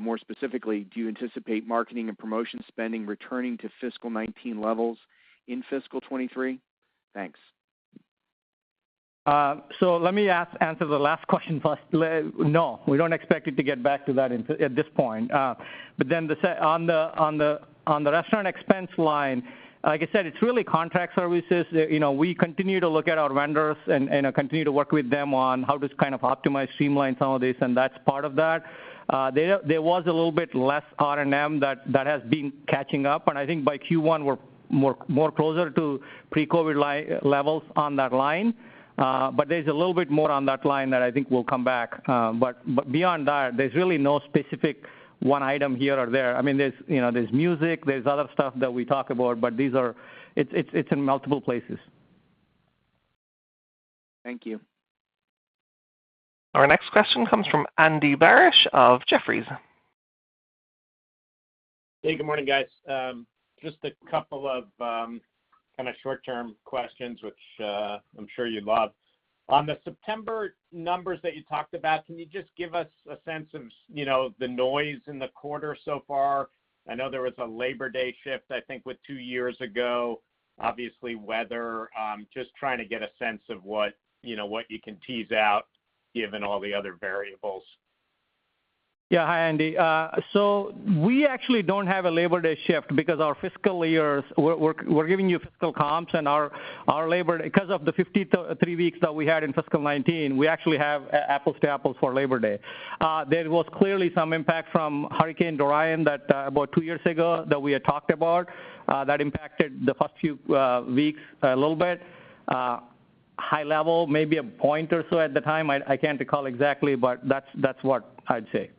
S21: More specifically, do you anticipate marketing and promotion spending returning to fiscal 2019 levels in fiscal 2023? Thanks.
S5: Let me answer the last question first. No. We don't expect it to get back to that at this point. On the restaurant expense line, like I said, it's really contract services. We continue to look at our vendors and continue to work with them on how to kind of optimize, streamline some of this, and that's part of that. There was a little bit less R&M that has been catching up, and I think by Q1, we're more closer to pre-COVID levels on that line. There's a little bit more on that line that I think will come back. Beyond that, there's really no specific one item here or there. There's music, there's other stuff that we talk about, but it's in multiple places.
S21: Thank you.
S1: Our next question comes from Andy Barish of Jefferies.
S22: Hey, good morning, guys. Just a couple of short-term questions, which I'm sure you'd love. On the September numbers that you talked about, can you just give us a sense of the noise in the quarter so far? I know there was a Labor Day shift, I think with two years ago. Obviously, weather. Just trying to get a sense of what you can tease out given all the other variables.
S5: Hi, Andy. We actually don't have a Labor Day shift because our fiscal years, we're giving you fiscal comps and our labor, because of the 53 weeks that we had in fiscal 2019, we actually have apples to apples for Labor Day. There was clearly some impact from Hurricane Dorian about two years ago that we had talked about, that impacted the first few weeks a little bit. High level, maybe a point or so at the time. I can't recall exactly, but that's what I'd say.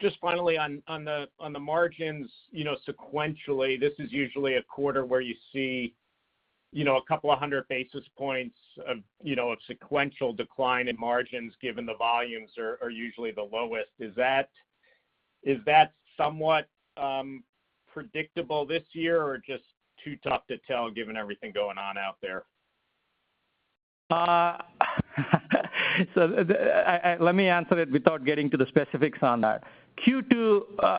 S22: Just finally on the margins, sequentially, this is usually a quarter where you see a couple of 100 basis points of sequential decline in margins, given the volumes are usually the lowest. Is that somewhat predictable this year or just too tough to tell given everything going on out there?
S5: Let me answer it without getting to the specifics on that. Q2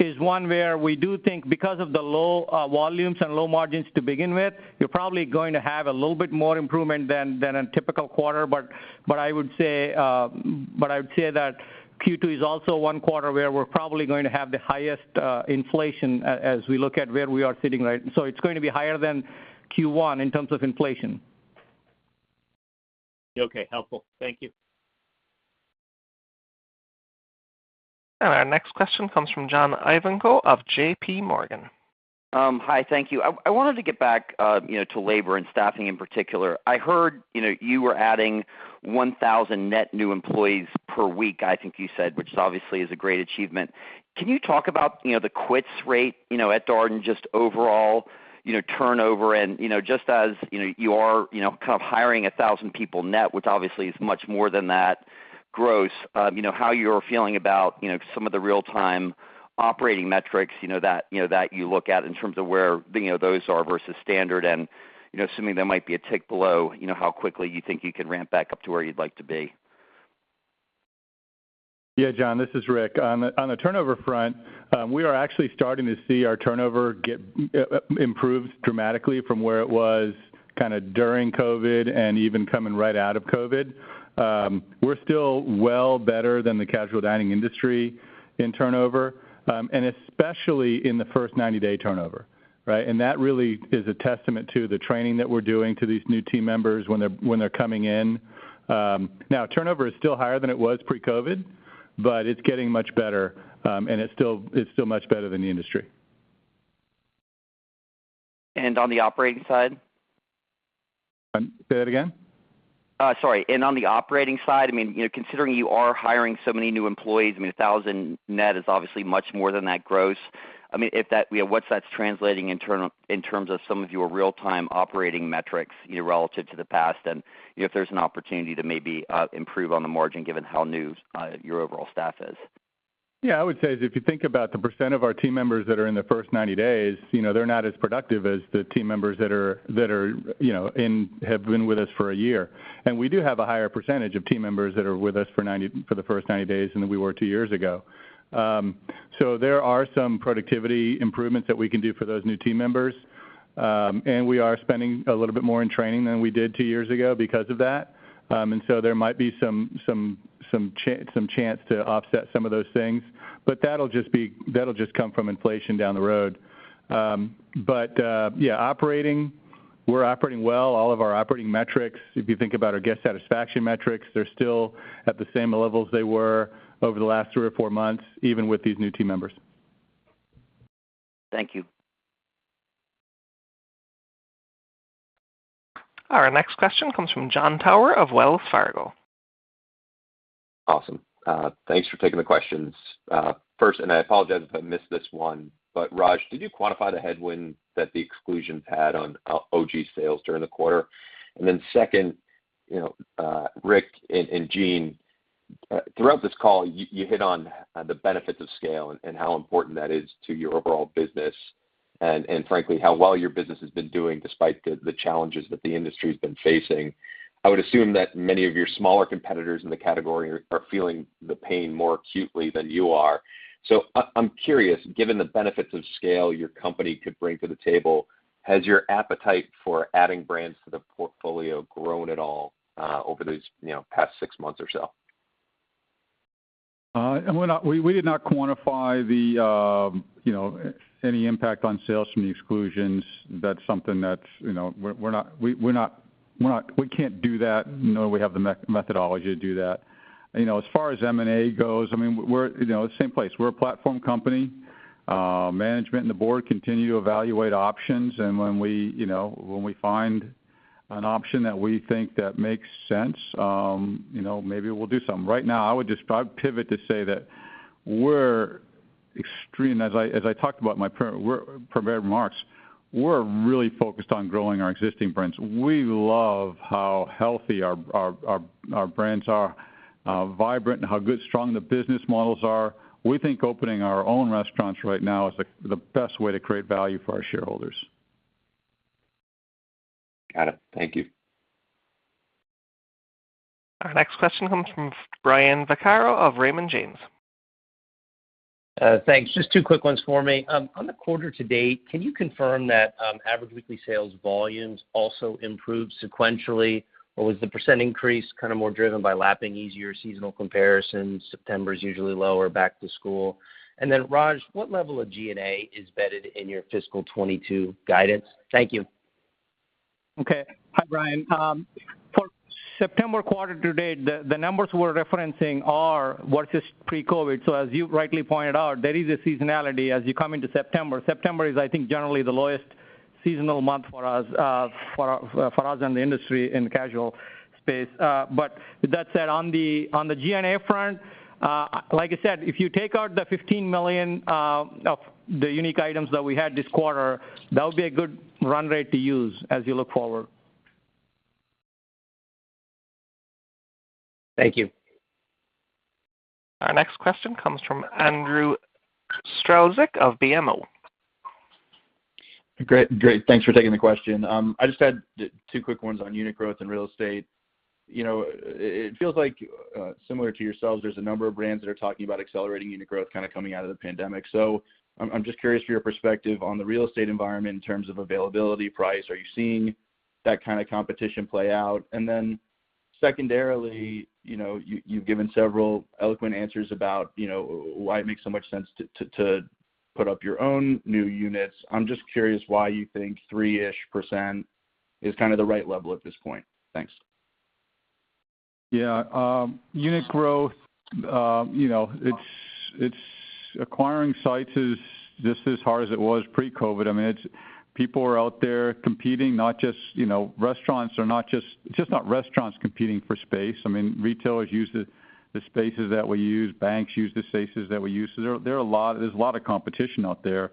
S5: is one where we do think because of the low volumes and low margins to begin with, you're probably going to have a little bit more improvement than a typical quarter. I would say that Q2 is also one quarter where we're probably going to have the highest inflation, as we look at where we are sitting right. It's going to be higher than Q1 in terms of inflation.
S22: Okay, helpful. Thank you.
S1: Our next question comes from John Ivankoe of JPMorgan.
S23: Hi, thank you. I wanted to get back to labor and staffing in particular. I heard you were adding 1,000 net new employees per week, I think you said, which obviously is a great achievement. Can you talk about the quits rate at Darden, just overall turnover and just as you are kind of hiring 1,000 people net, which obviously is much more than that gross. How you're feeling about some of the real-time operating metrics that you look at in terms of where those are versus standard and assuming there might be a tick below, how quickly you think you could ramp back up to where you'd like to be.
S4: Yeah, John, this is Rick. On the turnover front, we are actually starting to see our turnover improve dramatically from where it was during COVID and even coming right out of COVID. We're still well better than the casual dining industry in turnover, and especially in the first 90-day turnover. Right? That really is a testament to the training that we're doing to these new team members when they're coming in. Turnover is still higher than it was pre-COVID, but it's getting much better. It's still much better than the industry.
S23: On the operating side?
S4: Say that again.
S23: Sorry. On the operating side, considering you are hiring so many new employees, 1,000 net is obviously much more than that gross. What's that translating in terms of some of your real-time operating metrics relative to the past and if there's an opportunity to maybe improve on the margin given how new your overall staff is?
S4: Yeah, I would say is if you think about the percent of our team members that are in their first 90 days, they're not as productive as the team members that have been with us for a year. We do have a higher % of team members that are with us for the first 90 days than we were two years ago. There are some productivity improvements that we can do for those new team members. We are spending a little bit more in training than we did two years ago because of that. There might be some chance to offset some of those things. That'll just come from inflation down the road. Yeah, operating, we're operating well. All of our operating metrics, if you think about our guest satisfaction metrics, they're still at the same levels they were over the last three or four months, even with these new team members.
S23: Thank you.
S1: Our next question comes from Jon Tower of Wells Fargo.
S24: Awesome. Thanks for taking the questions. First, and I apologize if I missed this one, but Raj, did you quantify the headwind that the exclusions had on OG sales during the quarter? Second, Rick and Gene, throughout this call, you hit on the benefits of scale and how important that is to your overall business, and frankly, how well your business has been doing despite the challenges that the industry's been facing. I would assume that many of your smaller competitors in the category are feeling the pain more acutely than you are. I'm curious, given the benefits of scale your company could bring to the table, has your appetite for adding brands to the portfolio grown at all over these past six months or so?
S3: We did not quantify any impact on sales from the exclusions. That's something that we can't do that, nor we have the methodology to do that. As far as M&A goes, same place. We're a platform company. Management and the Board continue to evaluate options, and when we find an option that we think that makes sense, maybe we'll do something. Right now, I would just pivot to say that we're extremely- As I talked about in my prepared remarks, we're really focused on growing our existing brands. We love how healthy our brands are, vibrant, and how good, strong the business models are. We think opening our own restaurants right now is the best way to create value for our shareholders.
S24: Got it. Thank you.
S1: Our next question comes from Brian Vaccaro of Raymond James.
S25: Thanks. Just two quick ones for me. On the quarter to date, can you confirm that average weekly sales volumes also improved sequentially? Was the percent increase more driven by lapping easier seasonal comparisons? September's usually lower, back to school. Raj, what level of G&A is embedded in your fiscal 2022 guidance? Thank you.
S5: Okay. Hi, Brian. For September quarter to date, the numbers we're referencing are versus pre-COVID. As you rightly pointed out, there is a seasonality as you come into September. September is, I think, generally the lowest seasonal month for us, and the industry in the casual space. With that said, on the G&A front, like I said, if you take out the $15 million of the unique items that we had this quarter, that would be a good run rate to use as you look forward.
S25: Thank you.
S1: Our next question comes from Andrew Strelzik of BMO.
S26: Great. Thanks for taking the question. I just had two quick ones on unit growth and real estate. It feels like, similar to yourselves, there's a number of brands that are talking about accelerating unit growth coming out of the pandemic. I'm just curious for your perspective on the real estate environment in terms of availability, price. Are you seeing that kind of competition play out? Secondarily, you've given several eloquent answers about why it makes so much sense to put up your own new units. I'm just curious why you think 3%-ish is the right level at this point. Thanks.
S3: Yeah. Unit growth, acquiring sites is just as hard as it was pre-COVID. People are out there competing, it's not just restaurants competing for space. Retailers use the spaces that we use. Banks use the spaces that we use. There's a lot of competition out there.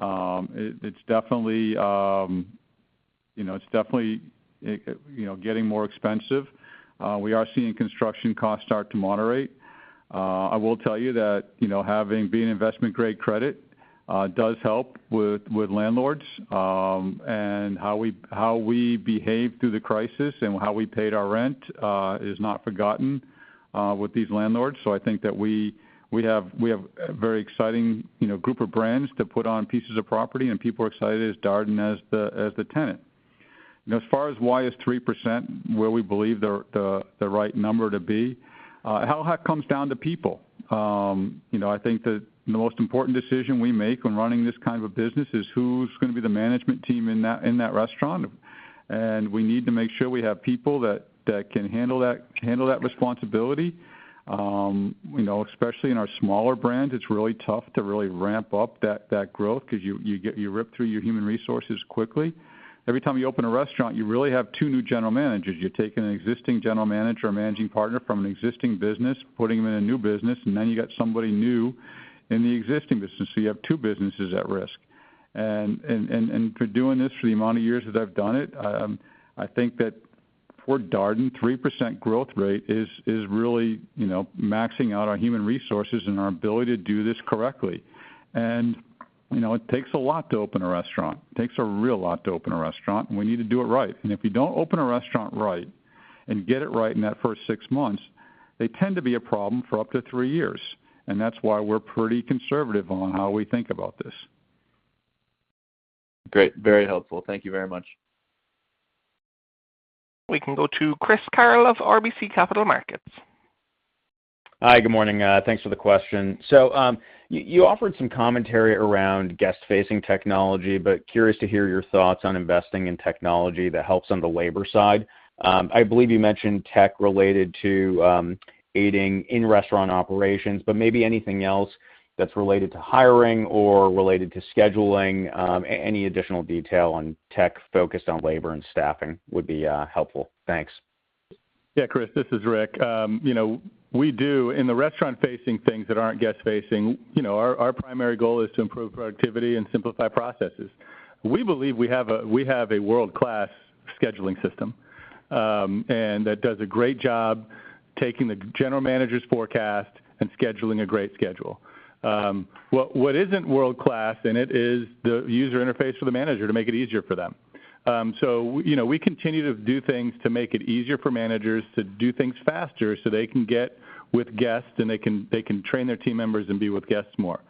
S3: It's definitely getting more expensive. We are seeing construction costs start to moderate. I will tell you that being investment-grade credit does help with landlords. How we behaved through the crisis and how we paid our rent is not forgotten with these landlords. I think that we have a very exciting group of brands to put on pieces of property, and people are excited as Darden as the tenant. As far as why is 3% where we believe the right number to be, how that comes down to people. I think that the most important decision we make when running this kind of business is who's going to be the management team in that restaurant. We need to make sure we have people that can handle that responsibility. Especially in our smaller brands, it's really tough to really ramp up that growth because you rip through your human resources quickly. Every time you open a restaurant, you really have two new general managers. You're taking an existing general manager or managing partner from an existing business, putting them in a new business, and then you got somebody new in the existing business, so you have two businesses at risk. For doing this for the amount of years that I've done it, I think that for Darden, 3% growth rate is really maxing out our human resources and our ability to do this correctly. It takes a lot to open a restaurant. It takes a real lot to open a restaurant, and we need to do it right. If you don't open a restaurant right, and get it right in that first six months, they tend to be a problem for up to three years. That's why we're pretty conservative on how we think about this.
S26: Great. Very helpful. Thank you very much.
S1: We can go to Chris Carril of RBC Capital Markets.
S27: Hi, good morning. Thanks for the question. You offered some commentary around guest-facing technology, curious to hear your thoughts on investing in technology that helps on the labor side. I believe you mentioned tech related to aiding in-restaurant operations, maybe anything else that's related to hiring or related to scheduling. Any additional detail on tech focused on labor and staffing would be helpful. Thanks.
S4: Yeah, Chris, this is Rick. We do, in the restaurant-facing things that aren't guest facing, our primary goal is to improve productivity and simplify processes. We believe we have a world-class scheduling system, and that does a great job taking the general manager's forecast and scheduling a great schedule. What isn't world-class in it is the user interface for the manager to make it easier for them. We continue to do things to make it easier for managers to do things faster so they can get with guests, and they can train their team members and be with guests more.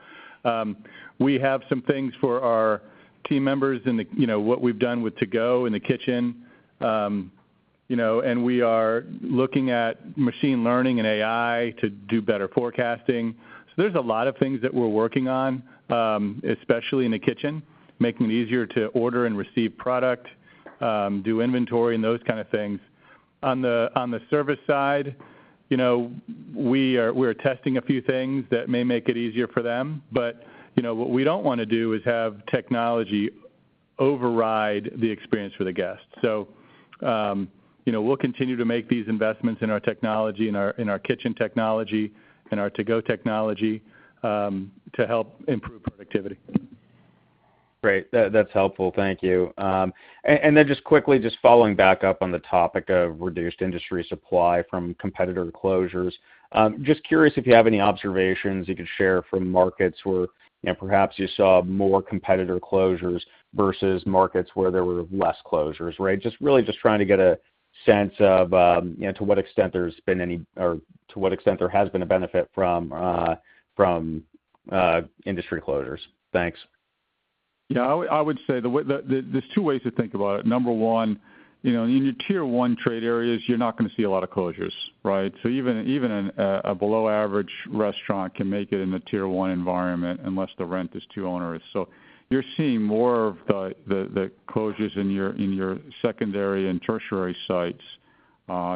S4: We have some things for our team members in what we've done with to-go in the kitchen. We are looking at machine learning and AI to do better forecasting. There's a lot of things that we're working on, especially in the kitchen, making it easier to order and receive product, do inventory, and those kind of things. On the service side, we are testing a few things that may make it easier for them. What we don't want to do is have technology override the experience for the guest. We'll continue to make these investments in our technology, in our kitchen technology, in our to-go technology, to help improve productivity.
S27: Great. That's helpful. Thank you. Just quickly, just following back up on the topic of reduced industry supply from competitor closures, just curious if you have any observations you could share from markets where perhaps you saw more competitor closures versus markets where there were less closures. Right? Just really just trying to get a sense of to what extent there has been a benefit from industry closures. Thanks.
S3: Yeah, I would say there's two ways to think about it. Number one, in your Tier 1 trade areas, you're not going to see a lot of closures, right? Even a below average restaurant can make it in the Tier 1 environment unless the rent is too onerous. You're seeing more of the closures in your secondary and tertiary sites,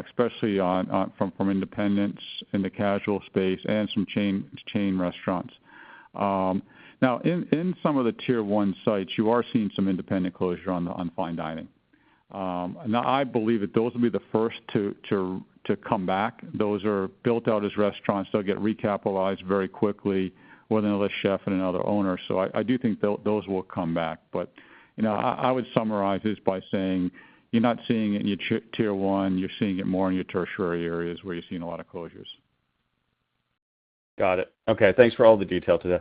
S3: especially from independents in the casual space and some chain restaurants. In some of the Tier 1 sites, you are seeing some independent closure on Fine Dining. I believe that those will be the first to come back. Those are built out as restaurants. They'll get recapitalized very quickly with another chef and another owner. I do think those will come back. I would summarize this by saying you're not seeing it in your Tier 1. You're seeing it more in your tertiary areas where you're seeing a lot of closures.
S27: Got it. Okay, thanks for all the detail today.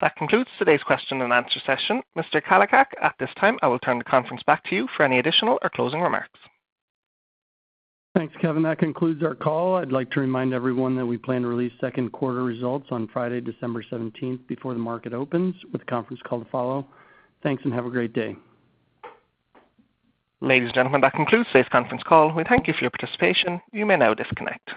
S1: That concludes today's question and answer session. Mr. Kalicak, at this time, I will turn the conference back to you for any additional or closing remarks.
S2: Thanks, Kevin. That concludes our call. I'd like to remind everyone that we plan to release second quarter results on Friday, December 17th before the market opens, with the conference call to follow. Thanks, and have a great day.
S1: Ladies and gentlemen, that concludes today's conference call. We thank you for your participation. You may now disconnect.